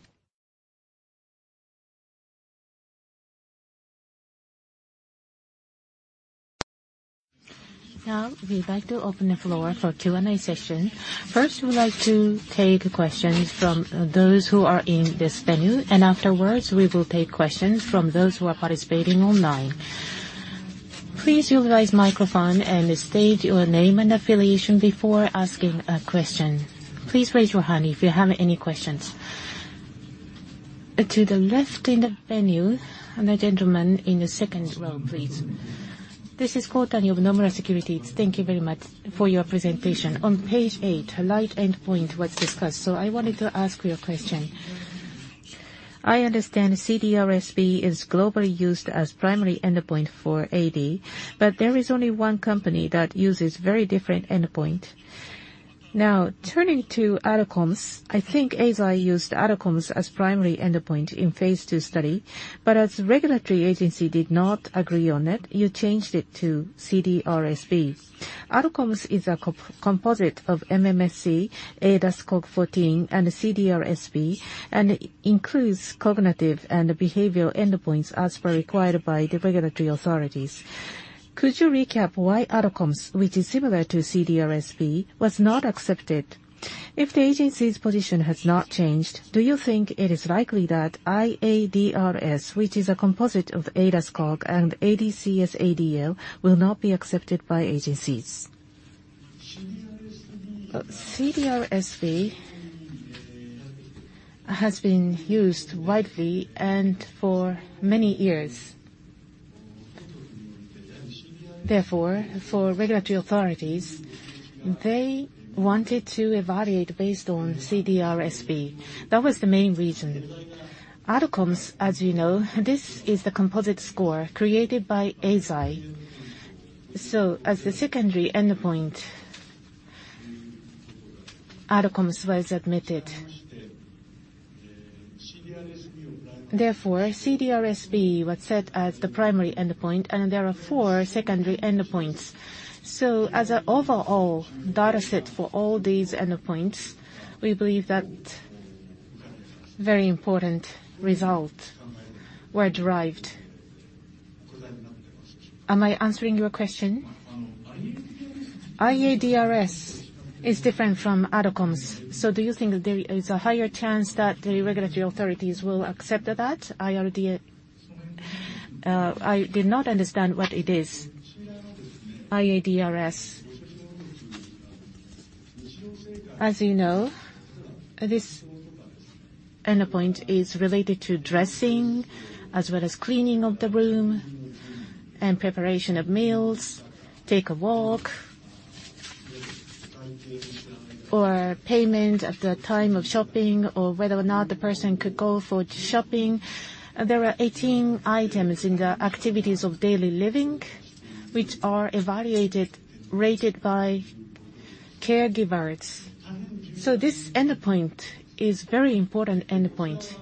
Now we'd like to open the floor for Q&A session. First, we would like to take questions from those who are in this venue, and afterwards we will take questions from those who are participating online. Please utilize microphone and state your name and affiliation before asking a question. Please raise your hand if you have any questions. To the left in the venue, and the gentleman in the second row, please. This is Kohtani of Nomura Securities. Thank you very much for your presentation. On page eight, a primary endpoint was discussed, so I wanted to ask you a question. I understand CDRSB is globally used as primary endpoint for AD, but there is only one company that uses very different endpoint. Now, turning to ADCOMS, I think Eisai used ADCOMS as primary endpoint in phase 2 study. As regulatory agency did not agree on it, you changed it to CDRSB. ADCOMS is a composite of MMSE, ADAS-Cog 14, and CDRSB, and it includes cognitive and behavioral endpoints as per required by the regulatory authorities. Could you recap why ADCOMS, which is similar to CDRSB, was not accepted? If the agency's position has not changed, do you think it is likely that iADRS, which is a composite of ADAS-Cog and ADCS-ADL, will not be accepted by agencies? CDRSB has been used widely and for many years. For regulatory authorities, they wanted to evaluate based on CDRSB. That was the main reason. ADCOMS, as you know, this is the composite score created by Eisai. As the secondary endpoint, ADCOMS was admitted. CDRSB was set as the primary endpoint, and there are four secondary endpoints. As an overall data set for all these endpoints, we believe that very important result were derived. Am I answering your question? iADRS is different from ADCOMS. Do you think that there is a higher chance that the regulatory authorities will accept that, FDA? I did not understand what it is. iADRS. As you know, this endpoint is related to dressing as well as cleaning of the room and preparation of meals, take a walk. For payment at the time of shopping or whether or not the person could go for shopping. There are 18 items in the activities of daily living which are evaluated, rated by caregivers. This endpoint is very important endpoint.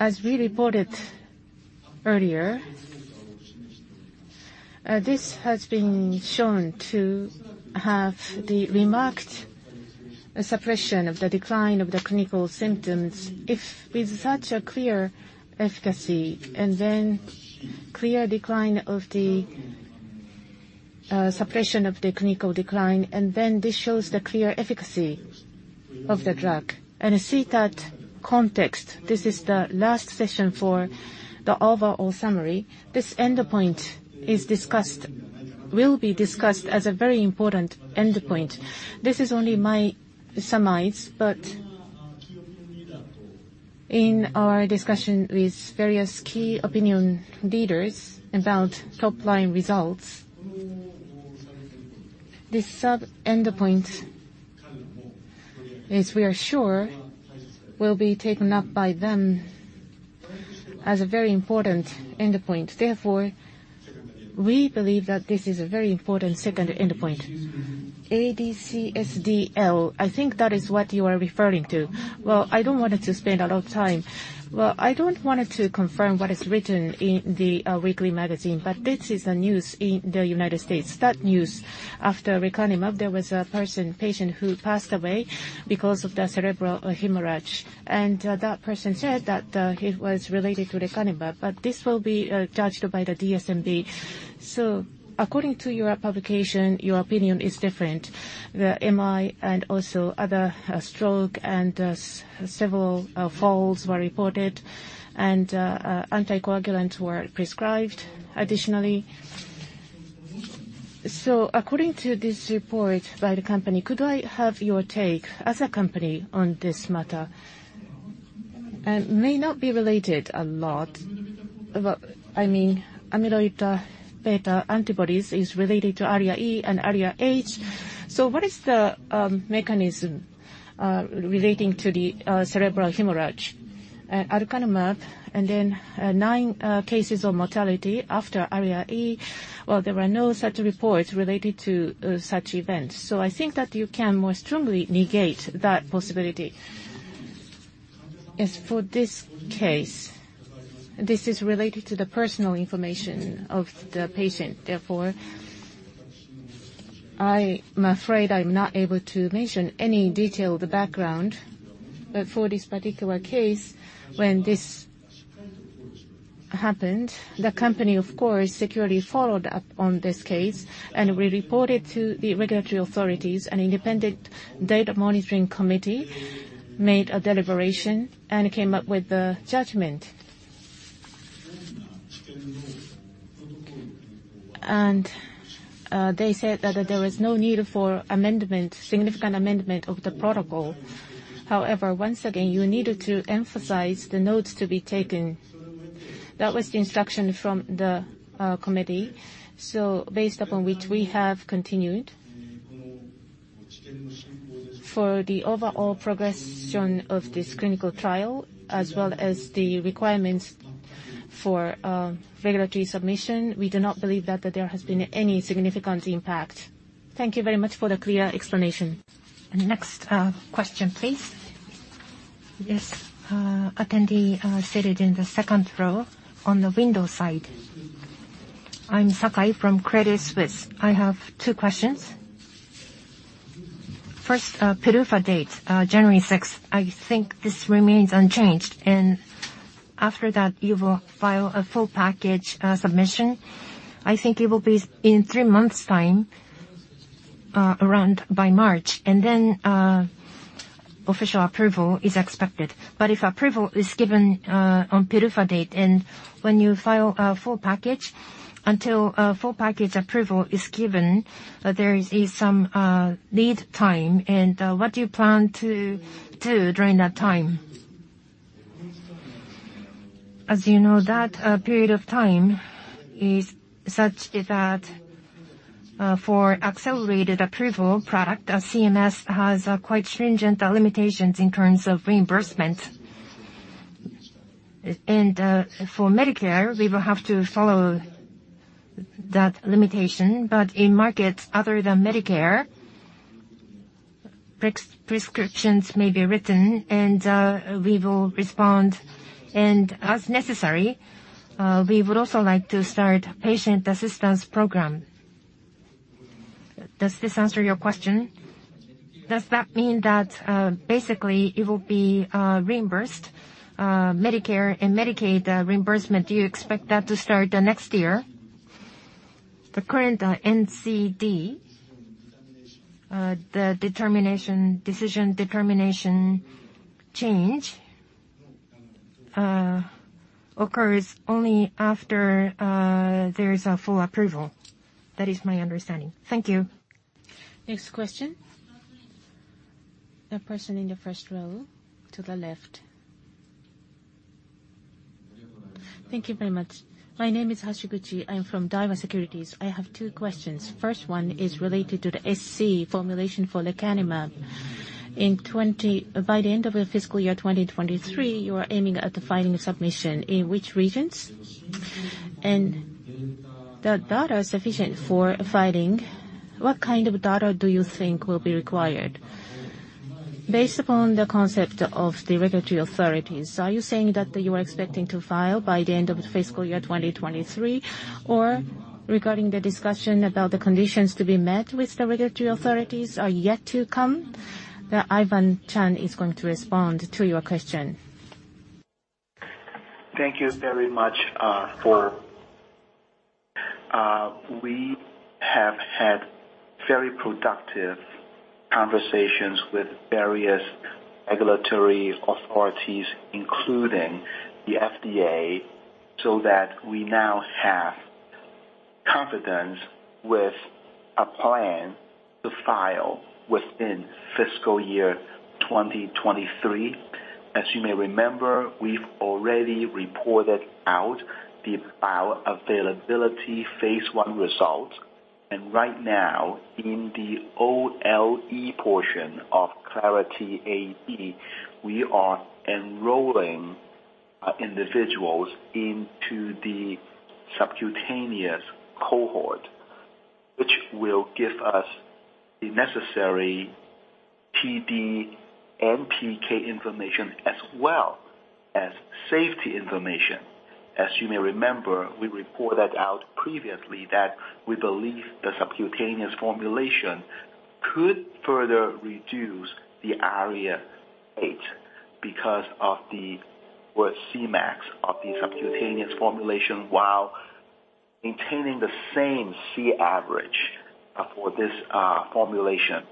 As we reported earlier, this has been shown to have the remarkable suppression of the decline of the clinical symptoms. If with such a clear efficacy and then clear decline of the suppression of the clinical decline, and then this shows the clear efficacy of the drug. To see that context, this is the last session for the overall summary. This endpoint will be discussed as a very important endpoint. This is only my surmise, but in our discussion with various key opinion leaders about top-line results, this sub-endpoint, as we are sure, will be taken up by them as a very important endpoint. Therefore, we believe that this is a very important second endpoint. ADCS-ADL, I think that is what you are referring to. Well, I don't want to spend a lot of time. Well, I don't want to confirm what is written in the weekly magazine, but this is a news in the United States. That news, after lecanemab, there was a person, patient, who passed away because of the cerebral hemorrhage. That person said that it was related to lecanemab, but this will be judged by the DSMB. According to your publication, your opinion is different. The MI and also other stroke and several falls were reported, and anticoagulants were prescribed additionally. According to this report by the company, could I have your take as a company on this matter? May not be related a lot, but I mean, amyloid beta antibodies is related to ARIA-E and ARIA-H. What is the mechanism relating to the cerebral hemorrhage? Lecanemab and then nine cases of mortality after ARIA-E. Well, there were no such reports related to such events. I think that you can more strongly negate that possibility. As for this case, this is related to the personal information of the patient. Therefore, I am afraid I'm not able to mention any detailed background. For this particular case, when this happened, the company of course securely followed up on this case, and we reported to the regulatory authorities. An independent data monitoring committee made a deliberation and came up with a judgment. They said that there was no need for amendment, significant amendment of the protocol. Once again, you needed to emphasize the notes to be taken. That was the instruction from the committee. Based upon which we have continued. For the overall progression of this clinical trial as well as the requirements for regulatory submission, we do not believe that there has been any significant impact. Thank you very much for the clear explanation. Next, question, please. Yes, attendee, seated in the second row on the window side. I'm Sakai from Credit Suisse. I have two questions. First, PDUFA date, January sixth. I think this remains unchanged. After that, you will file a full package submission. I think it will be in three months' time, around by March, and then official approval is expected. If approval is given on PDUFA date and when you file a full package, until a full package approval is given, there is some lead time. What do you plan to do during that time? As you know, that period of time is such that for accelerated approval product, CMS has quite stringent limitations in terms of reimbursement. For Medicare, we will have to follow that limitation. In markets other than Medicare, prescriptions may be written, and we will respond. As necessary, we would also like to start patient assistance program. Does this answer your question? Does that mean that basically it will be reimbursed, Medicare and Medicaid reimbursement? Do you expect that to start next year? The current NCD decision determination change occurs only after there is a full approval. That is my understanding. Thank you. Next question. The person in the first row to the left. Thank you very much. My name is Hashiguchi. I am from Daiwa Securities. I have two questions. First one is related to the SC formulation for lecanemab. By the end of the fiscal year 2023, you are aiming at filing a submission. In which regions? And the data sufficient for filing, what kind of data do you think will be required? Based upon the concept of the regulatory authorities. Are you saying that you are expecting to file by the end of the fiscal year 2023? Or regarding the discussion about the conditions to be met with the regulatory authorities are yet to come? Ivan Cheung is going to respond to your question. Thank you very much. We have had very productive conversations with various regulatory authorities, including the FDA, so that we now have confidence with a plan to file within fiscal year 2023. As you may remember, we've already reported out the bioavailability phase 1 result. Right now, in the OLE portion of Clarity AD, we are enrolling individuals into the subcutaneous cohort, which will give us the necessary TD and PK information as well as safety information. As you may remember, we reported out previously that we believe the subcutaneous formulation could further reduce the ARIA-E because of the, well, Cmax of the subcutaneous formulation, while maintaining the same C-average for this formulation.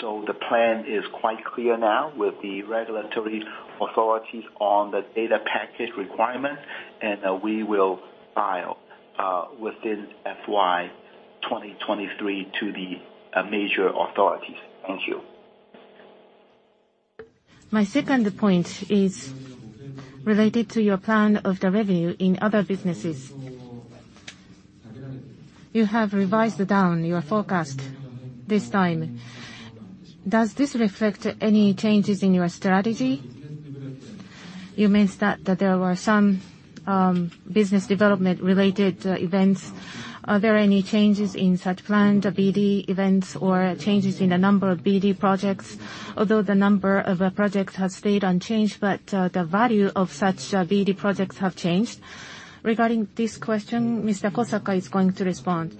The plan is quite clear now with the regulatory authorities on the data package requirement, and we will file within FY 2023 to the major authorities. Thank you. My second point is related to your plan of the revenue in other businesses. You have revised down your forecast this time. Does this reflect any changes in your strategy? You mentioned that there were some business development-related events. Are there any changes in such plan, the BD events or changes in the number of BD projects? Although the number of projects has stayed unchanged, but the value of such BD projects have changed. Regarding this question, Mr. Kosaka is going to respond.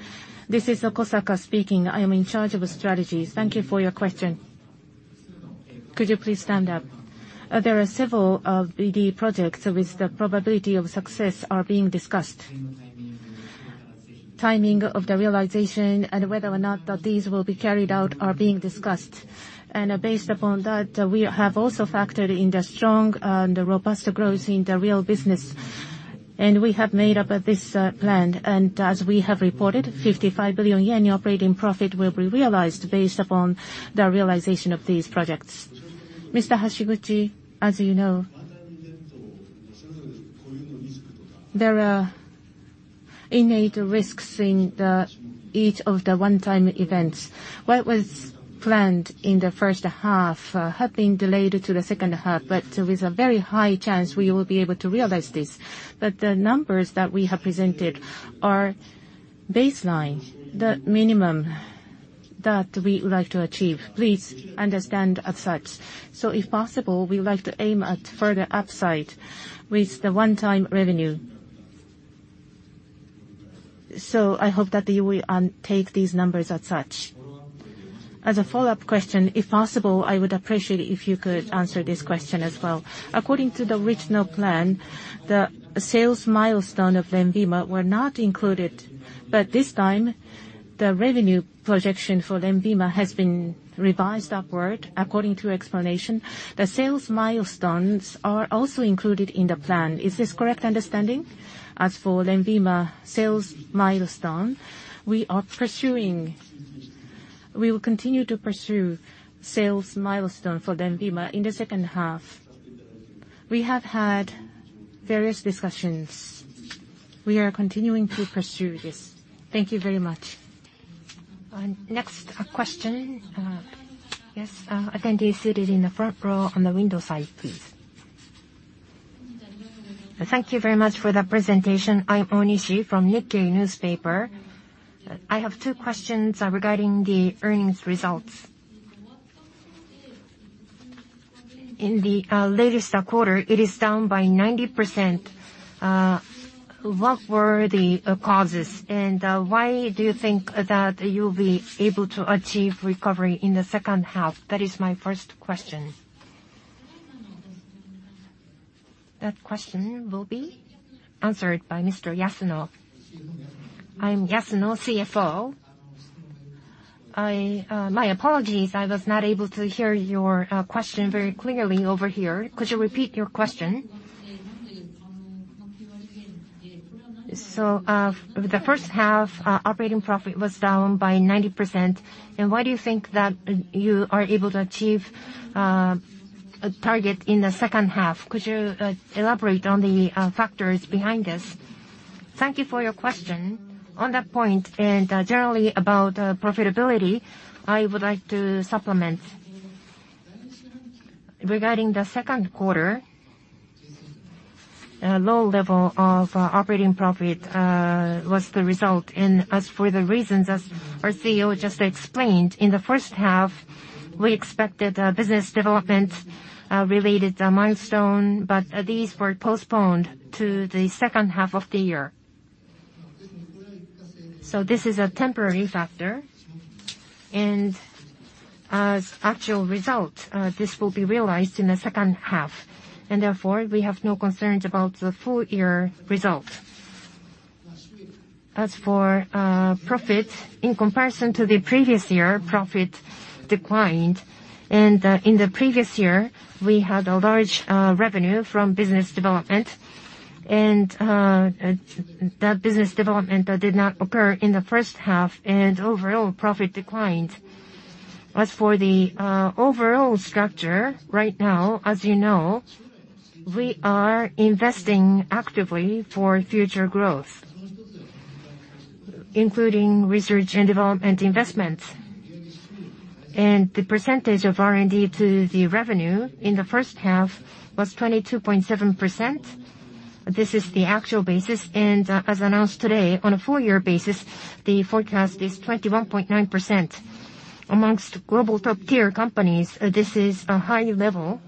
This is Kosaka speaking. I am in charge of strategies. Thank you for your question. Could you please stand up? There are several BD projects with the probability of success are being discussed. Timing of the realization and whether or not that these will be carried out are being discussed. Based upon that, we have also factored in the strong and the robust growth in the real business. We have made up this plan. As we have reported, 55 billion yen operating profit will be realized based upon the realization of these projects. Mr. Hashiguchi, as you know, there are innate risks in each of the one-time events. What was planned in the first half have been delayed to the second half, but with a very high chance we will be able to realize this. The numbers that we have presented are baseline, the minimum that we would like to achieve. Please understand as such. If possible, we would like to aim at further upside with the one-time revenue. I hope that you will take these numbers as such. As a follow-up question, if possible, I would appreciate if you could answer this question as well. According to the original plan, the sales milestone of LENVIMA were not included. This time, the revenue projection for LENVIMA has been revised upward. According to your explanation, the sales milestones are also included in the plan. Is this correct understanding? As for LENVIMA sales milestone, we will continue to pursue sales milestone for LENVIMA in the second half. We have had various discussions. We are continuing to pursue this. Thank you very much. Next question, yes, attendee seated in the front row on the window side, please. Thank you very much for the presentation. I'm Onishi from The Nikkei. I have two questions regarding the earnings results. In the latest quarter, it is down by 90%. What were the causes, and why do you think that you'll be able to achieve recovery in the second half? That is my first question. That question will be answered by Mr. Yasuno. I'm Yasuno, CFO. My apologies, I was not able to hear your question very clearly over here. Could you repeat your question? The first half operating profit was down by 90%. Why do you think that you are able to achieve a target in the second half? Could you elaborate on the factors behind this? Thank you for your question. On that point, and generally about profitability, I would like to supplement. Regarding the second quarter, a low level of operating profit was the result. As for the reasons, as our CEO just explained, in the first half, we expected business development related milestone, but these were postponed to the second half of the year. This is a temporary factor, and as a result, this will be realized in the second half. Therefore, we have no concerns about the full-year result. As for profit, in comparison to the previous year, profit declined. In the previous year, we had a large revenue from business development. That business development did not occur in the first half and overall profit declined. As for the overall structure, right now, as you know, we are investing actively for future growth, including research and development investments. The percentage of R&D to the revenue in the first half was 22.7%. This is the actual basis. As announced today, on a four-year basis, the forecast is 21.9%. Among global top-tier companies, this is a high level.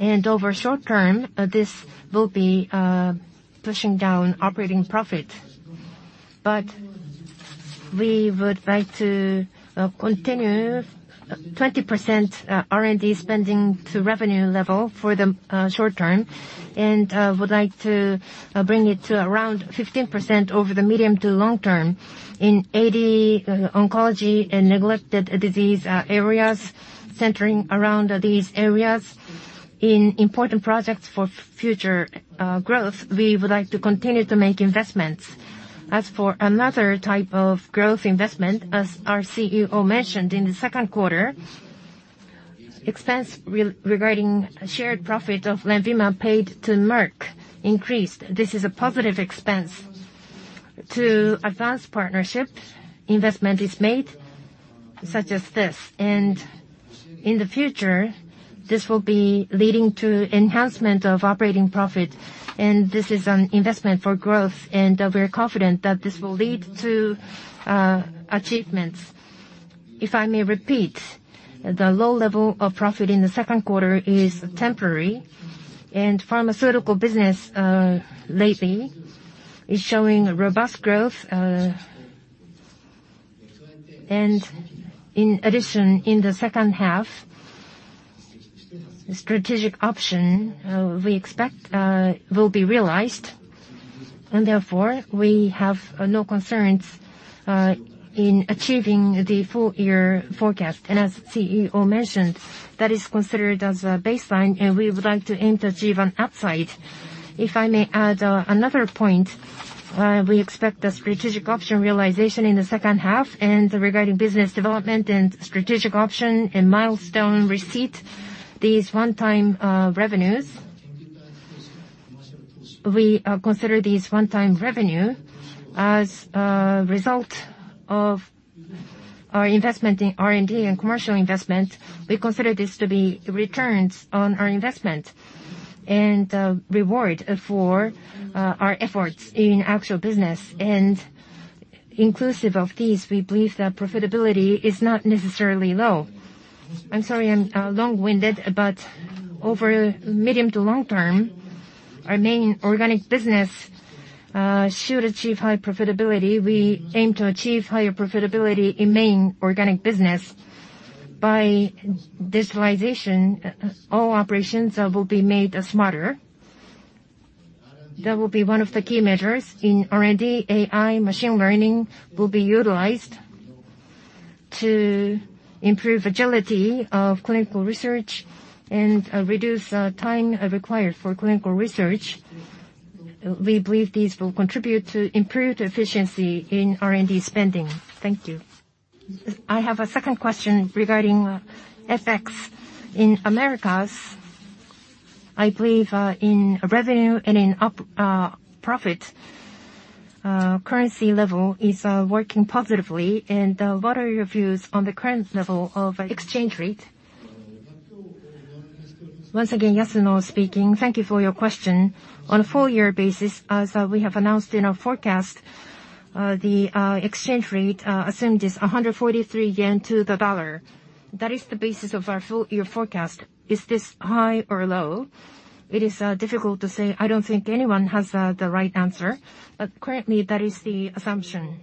Over short term, this will be pushing down operating profit. We would like to continue 20% R&D spending to revenue level for the short term and would like to bring it to around 15% over the medium to long term. In AD, oncology, and neglected disease areas, centering around these areas, in important projects for future growth, we would like to continue to make investments. As for another type of growth investment, as our CEO mentioned in the second quarter, expense regarding shared profit of LENVIMA paid to Merck increased. This is a positive expense. To advance partnerships, investment is made such as this. In the future, this will be leading to enhancement of operating profit, and this is an investment for growth, and we are confident that this will lead to achievements. If I may repeat, the low level of profit in the second quarter is temporary. Pharmaceutical business lately is showing robust growth. In addition, in the second half, strategic option we expect will be realized. Therefore, we have no concerns in achieving the full-year forecast. As CEO mentioned, that is considered as a baseline, and we would like to aim to achieve an upside. If I may add another point. We expect the strategic option realization in the second half. Regarding business development and strategic option and milestone receipt, these one-time revenues, we consider these one-time revenue as a result of our investment in R&D and commercial investment. We consider this to be returns on our investment and reward for our efforts in actual business. Inclusive of these, we believe that profitability is not necessarily low. I'm sorry I'm long-winded, but over medium to long term, our main organic business should achieve high profitability. We aim to achieve higher profitability in main organic business by digitalization. All operations will be made smarter. That will be one of the key measures. In R&D, AI machine learning will be utilized to improve agility of clinical research and reduce time required for clinical research. We believe these will contribute to improved efficiency in R&D spending. Thank you. I have a second question regarding FX in Americas. I believe in revenue and in profit currency level is working positively. What are your views on the current level of exchange rate? Once again, Yasuno speaking. Thank you for your question. On a full-year basis, we have announced in our forecast the exchange rate assumed is 143 yen to the dollar. That is the basis of our full-year forecast. Is this high or low? It is difficult to say. I don't think anyone has the right answer. But currently, that is the assumption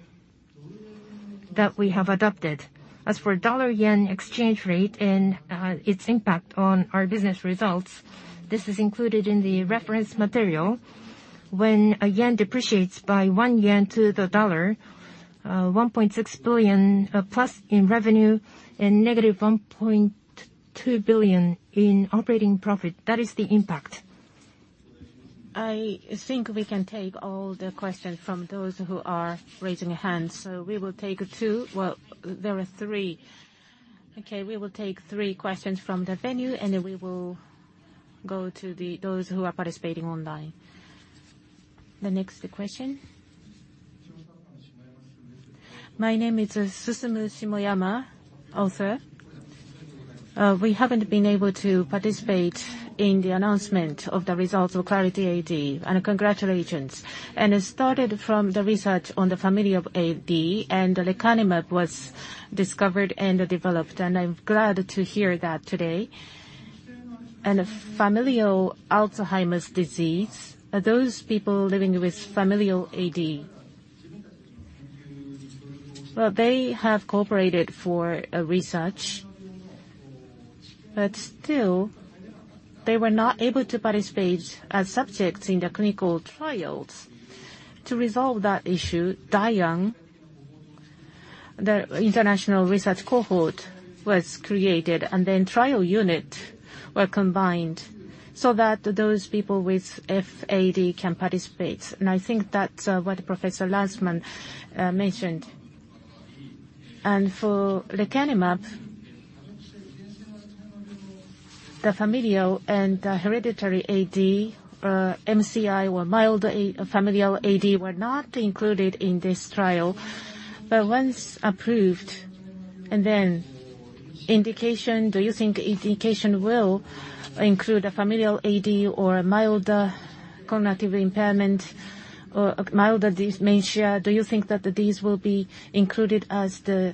that we have adopted. As for dollar yen exchange rate and its impact on our business results, this is included in the reference material. When a yen depreciates by 1 yen to the dollar, 1.6 billion plus in revenue and negative 1.2 billion in operating profit. That is the impact. I think we can take all the questions from those who are raising hands. We will take two. Well, there are three. Okay, we will take three questions from the venue, and then we will go to those who are participating online. The next question. My name is Susumu Shimoyama, author. We haven't been able to participate in the announcement of the results of Clarity AD, and congratulations. It started from the research on the familial AD, and lecanemab was discovered and developed, and I'm glad to hear that today. In familial Alzheimer's disease, those people living with familial AD. Well, they have cooperated for research. Still, they were not able to participate as subjects in the clinical trials. To resolve that issue, DIAN, the international research cohort was created, and then DIAN-TU were combined so that those people with FAD can participate. I think that's what Professor Lars Lannfelt mentioned. For lecanemab, the familial and the hereditary AD, MCI or mild familial AD were not included in this trial. Once approved, and then indication, do you think indication will include a familial AD or milder cognitive impairment or milder dementia, do you think that these will be included as the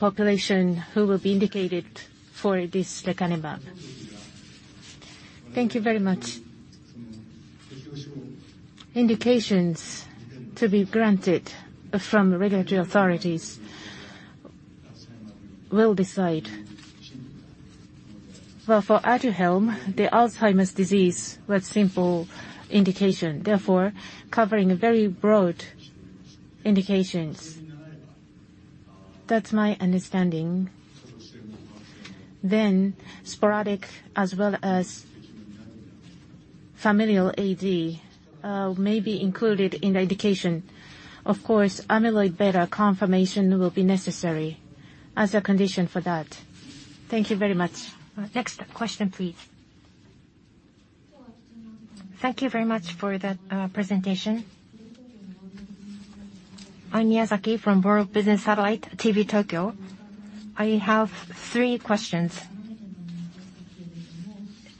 population who will be indicated for this lecanemab? Thank you very much. Indications to be granted from regulatory authorities will decide. Well, for Aduhelm, the Alzheimer's disease was simple indication, therefore covering very broad indications. That's my understanding. Then sporadic as well as familial AD may be included in the indication. Of course, amyloid beta confirmation will be necessary as a condition for that. Thank you very much. Next question, please. Thank you very much for that presentation. I'm Miyazaki from BS TV Tokyo. I have three questions.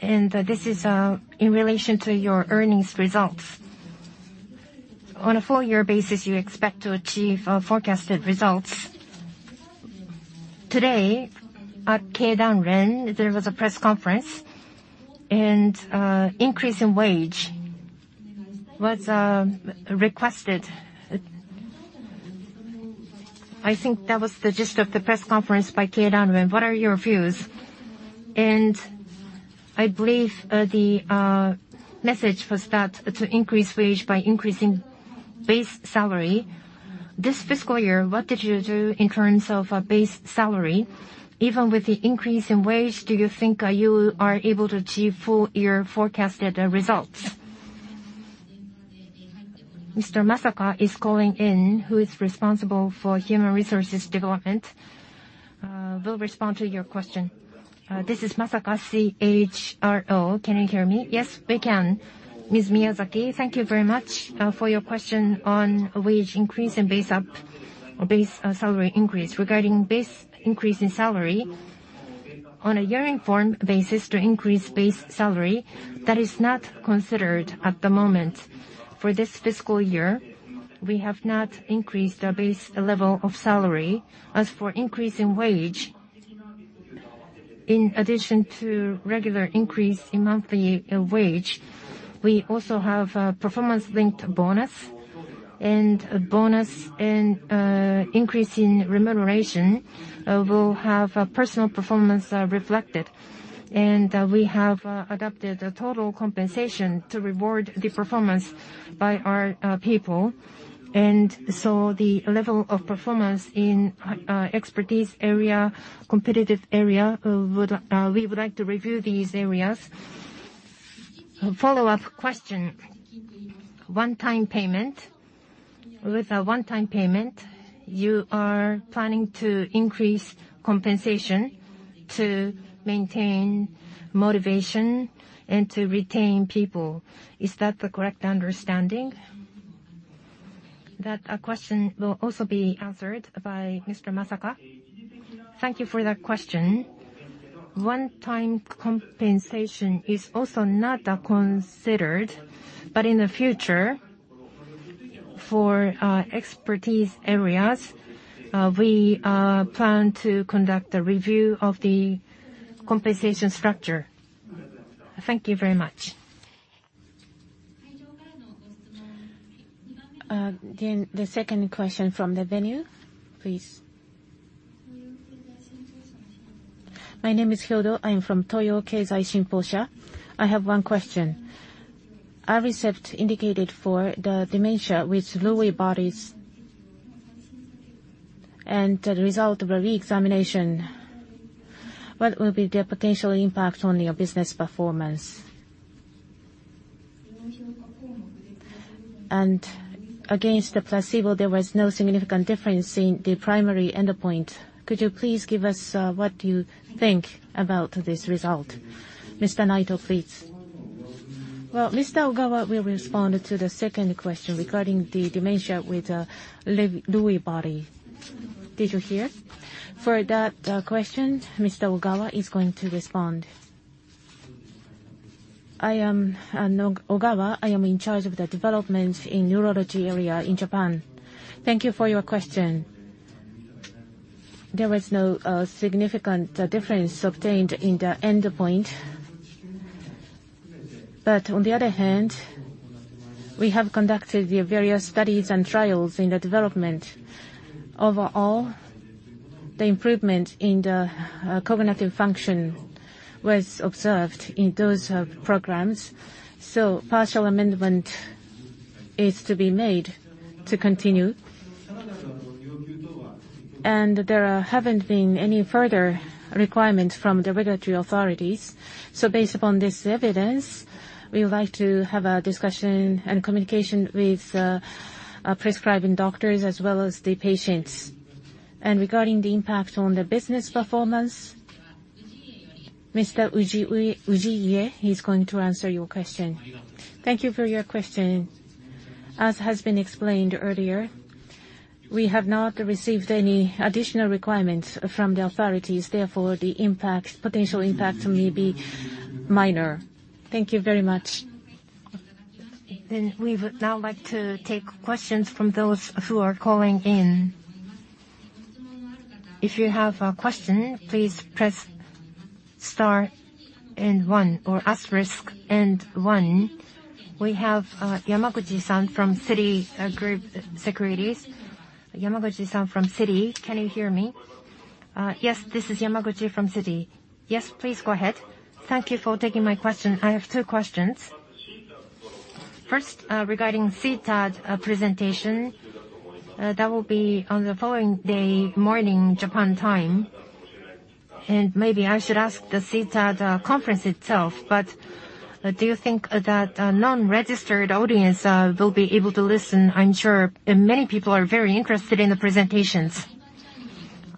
This is in relation to your earnings results. On a full-year basis you expect to achieve forecasted results. Today at Keidanren there was a press conference, and increase in wage was requested. I think that was the gist of the press conference by Keidanren. What are your views? I believe the message was that to increase wage by increasing base salary. This fiscal year, what did you do in terms of base salary? Even with the increase in wage, do you think you are able to achieve full-year forecasted results? Mr. Masaka is calling in, who is responsible for human resources development. Will respond to your question. This is Masaka, CHRO. Can you hear me? Yes, we can. Ms. Miyazaki, thank you very much for your question on wage increase and base-up or base salary increase. Regarding base increase in salary, on a year-end form basis to increase base salary, that is not considered at the moment. For this fiscal year, we have not increased our base level of salary. As for increase in wage, in addition to regular increase in monthly wage, we also have a performance-linked bonus. A bonus and increase in remuneration will have a personal performance reflected. We have adopted a total compensation to reward the performance by our people. The level of performance in expertise area, competitive area, we would like to review these areas. Follow-up question. One-time payment. With a one-time payment, you are planning to increase compensation to maintain motivation and to retain people. Is that the correct understanding? That question will also be answered by Mr. Masaka. Thank you for that question. One-time compensation is also not considered. In the future, for expertise areas, we plan to conduct a review of the compensation structure. Thank you very much. The second question from the venue, please. My name is Hyodo. I am from Toyo Keizai Inc. I have one question. Aricept indicated for the dementia with Lewy bodies. The result of a reexamination, what will be the potential impact on your business performance? Against the placebo, there was no significant difference in the primary endpoint. Could you please give us what you think about this result? Mr. Naito, please. Well, Mr. Ogawa will respond to the second question regarding the dementia with Lewy bodies. Did you hear? For that question, Mr. Ogawa is going to respond. I am Ogawa. I am in charge of the development in neurology area in Japan. Thank you for your question. There is no significant difference obtained in the endpoint. On the other hand, we have conducted the various studies and trials in the development. Overall, the improvement in the cognitive function was observed in those programs. Partial amendment is to be made to continue. There haven't been any further requirements from the regulatory authorities. Based upon this evidence, we would like to have a discussion and communication with prescribing doctors as well as the patients. Regarding the impact on the business performance, Mr. Ujiie, he's going to answer your question. Thank you for your question. As has been explained earlier, we have not received any additional requirements from the authorities. Therefore, the impact, potential impact may be minor. Thank you very much. We would now like to take questions from those who are calling in. If you have a question, please press star and one or asterisk and one. We have Yamaguchi-san from Citigroup Global Markets Japan Inc. Yamaguchi-san from Citi, can you hear me? Yes, this is Yamaguchi from Citi. Yes, please go ahead. Thank you for taking my question. I have two questions. First, regarding CTAD presentation that will be on the following day, morning Japan time. Maybe I should ask the CTAD conference itself, but do you think that non-registered audience will be able to listen? I'm sure many people are very interested in the presentations.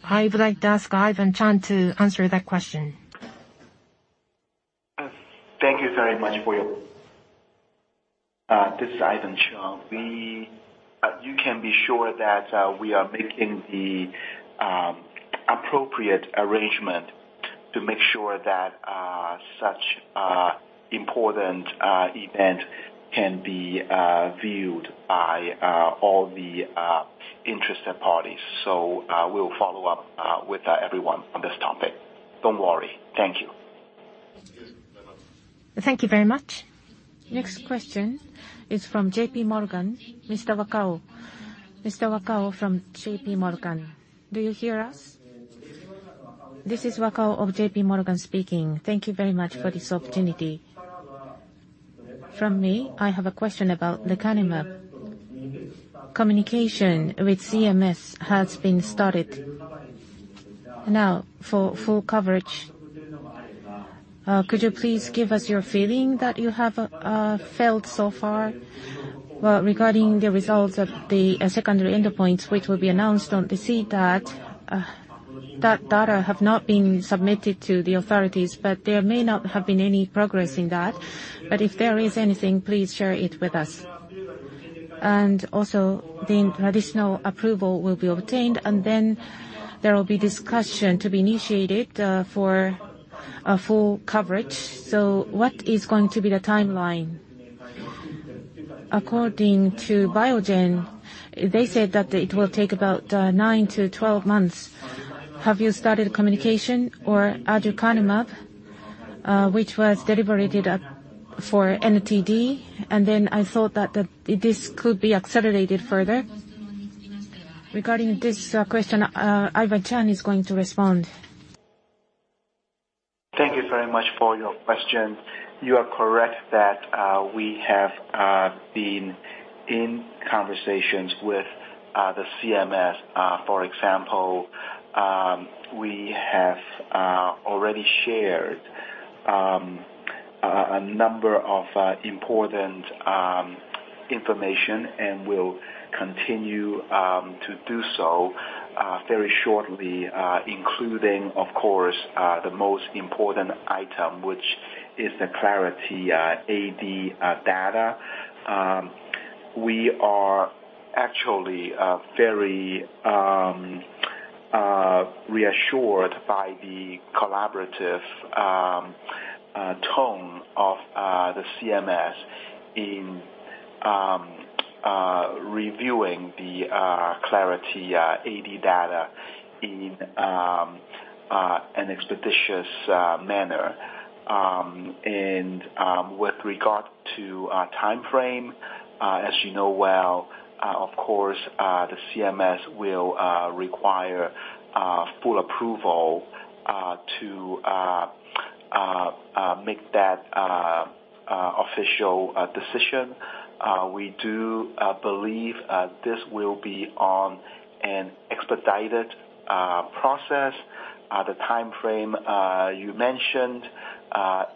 I would like to ask Ivan Cheung to answer that question. Thank you very much. This is Ivan Cheung. You can be sure that we are making the appropriate arrangement to make sure that such important event can be viewed by all the interested parties. We'll follow up with everyone on this topic. Don't worry. Thank you. Thank you very much. Next question is from J.P. Morgan. Mr. Wakao. Mr. Wakao from JPMorgan, do you hear us? This is Wakao of JPMorgan speaking. Thank you very much for this opportunity. From me, I have a question about lecanemab. Communication with CMS has been started. Now, for full coverage, could you please give us your feeling that you have felt so far? Well, regarding the results of the secondary endpoints which will be announced on the CTAD, that data have not been submitted to the authorities, but there may not have been any progress in that. But if there is anything, please share it with us. Also, the traditional approval will be obtained, and then there will be discussion to be initiated, for a full coverage. What is going to be the timeline? According to Biogen, they said that it will take about nine months-12 months. Have you started communication or Aducanumab, which was delivered for NCD, and then I thought that this could be accelerated further. Regarding this question, Ivan Cheung is going to respond. Thank you very much for your question. You are correct that we have been in conversations with the CMS. For example, we have already shared a number of important information and will continue to do so very shortly, including of course the most important item, which is the Clarity AD data. We are actually very reassured by the collaborative tone of the CMS in reviewing the Clarity AD data in an expeditious manner. With regard to timeframe, as you know well, of course the CMS will require full approval to make that official decision. We do believe this will be on an expedited process. The timeframe you mentioned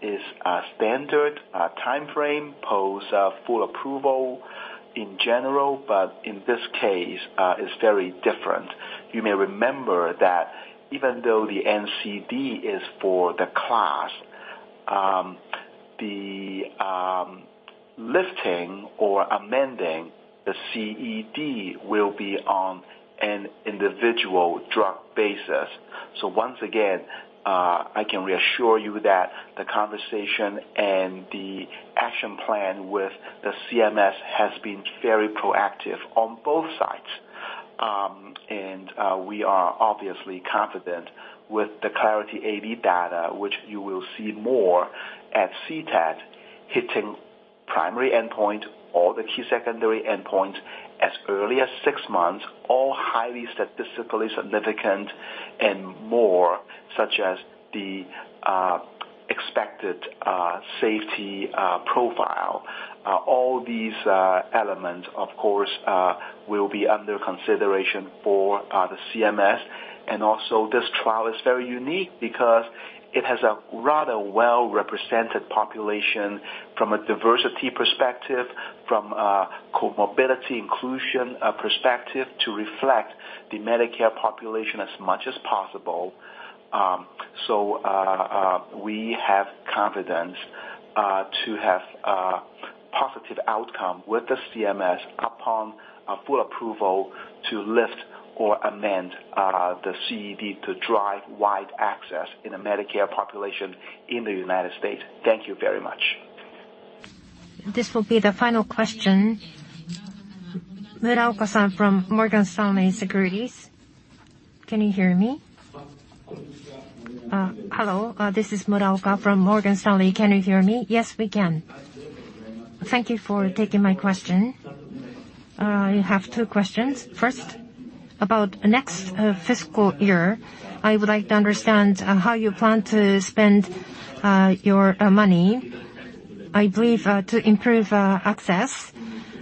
is a standard timeframe post full approval in general, but in this case is very different. You may remember that even though the NCD is for the class, the lifting or amending the CED will be on an individual drug basis. Once again, I can reassure you that the conversation and the action plan with the CMS has been very proactive on both sides. We are obviously confident with the Clarity AD data, which you will see more at CTAD, hitting primary endpoint or the key secondary endpoint as early as six months, all highly statistically significant and more, such as the expected safety profile. All these elements, of course, will be under consideration for the CMS. Also, this trial is very unique because it has a rather well-represented population from a diversity perspective, from a comorbidity inclusion perspective to reflect the Medicare population as much as possible. We have confidence to have a positive outcome with the CMS upon a full approval to lift or amend the CED to drive wide access in the Medicare population in the United States. Thank you very much. This will be the final question. Muraoka-san from Morgan Stanley. Can you hear me? Hello, this is Muraoka from Morgan Stanley. Can you hear me? Yes, we can. Thank you for taking my question. I have two questions. First, about next fiscal year, I would like to understand how you plan to spend your money. I believe to improve access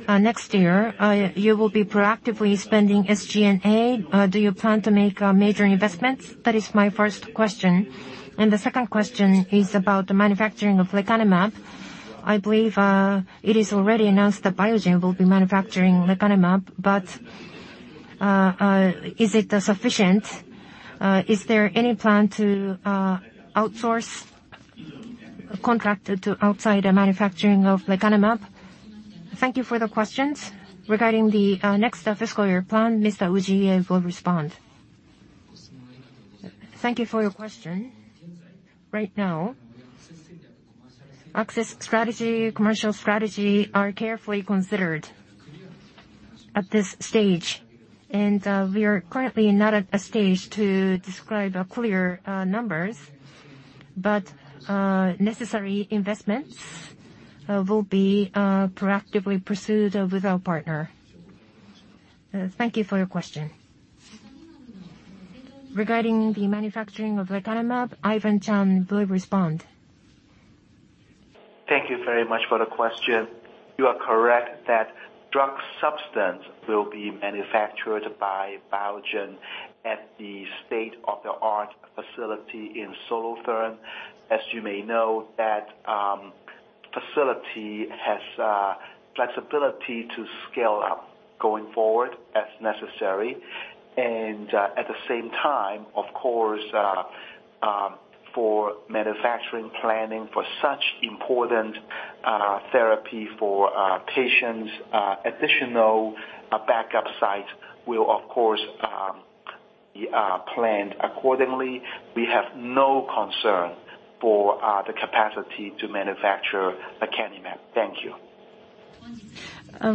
next year you will be proactively spending SG&A. Do you plan to make major investments? That is my first question. The second question is about the manufacturing of lecanemab. I believe it is already announced that Biogen will be manufacturing lecanemab, but is it sufficient? Is there any plan to outsource contract to outside the manufacturing of lecanemab? Thank you for the questions. Regarding the next fiscal year plan, Mr. Ujiie will respond. Thank you for your question. Right now, access strategy, commercial strategy are carefully considered at this stage, and we are currently not at a stage to describe a clear numbers, but necessary investments will be proactively pursued with our partner. Thank you for your question. Regarding the manufacturing of lecanemab, Ivan Cheung will respond. Thank you very much for the question. You are correct that drug substance will be manufactured by Biogen at the state-of-the-art facility in Solothurn. As you may know, that facility has flexibility to scale up going forward as necessary. At the same time, of course, for manufacturing planning for such important therapy for patients, additional backup sites will of course planned accordingly. We have no concern for the capacity to manufacture lecanemab. Thank you.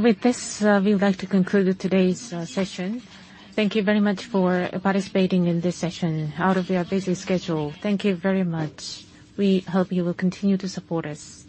With this, we'd like to conclude today's session. Thank you very much for participating in this session out of your busy schedule. Thank you very much. We hope you will continue to support us.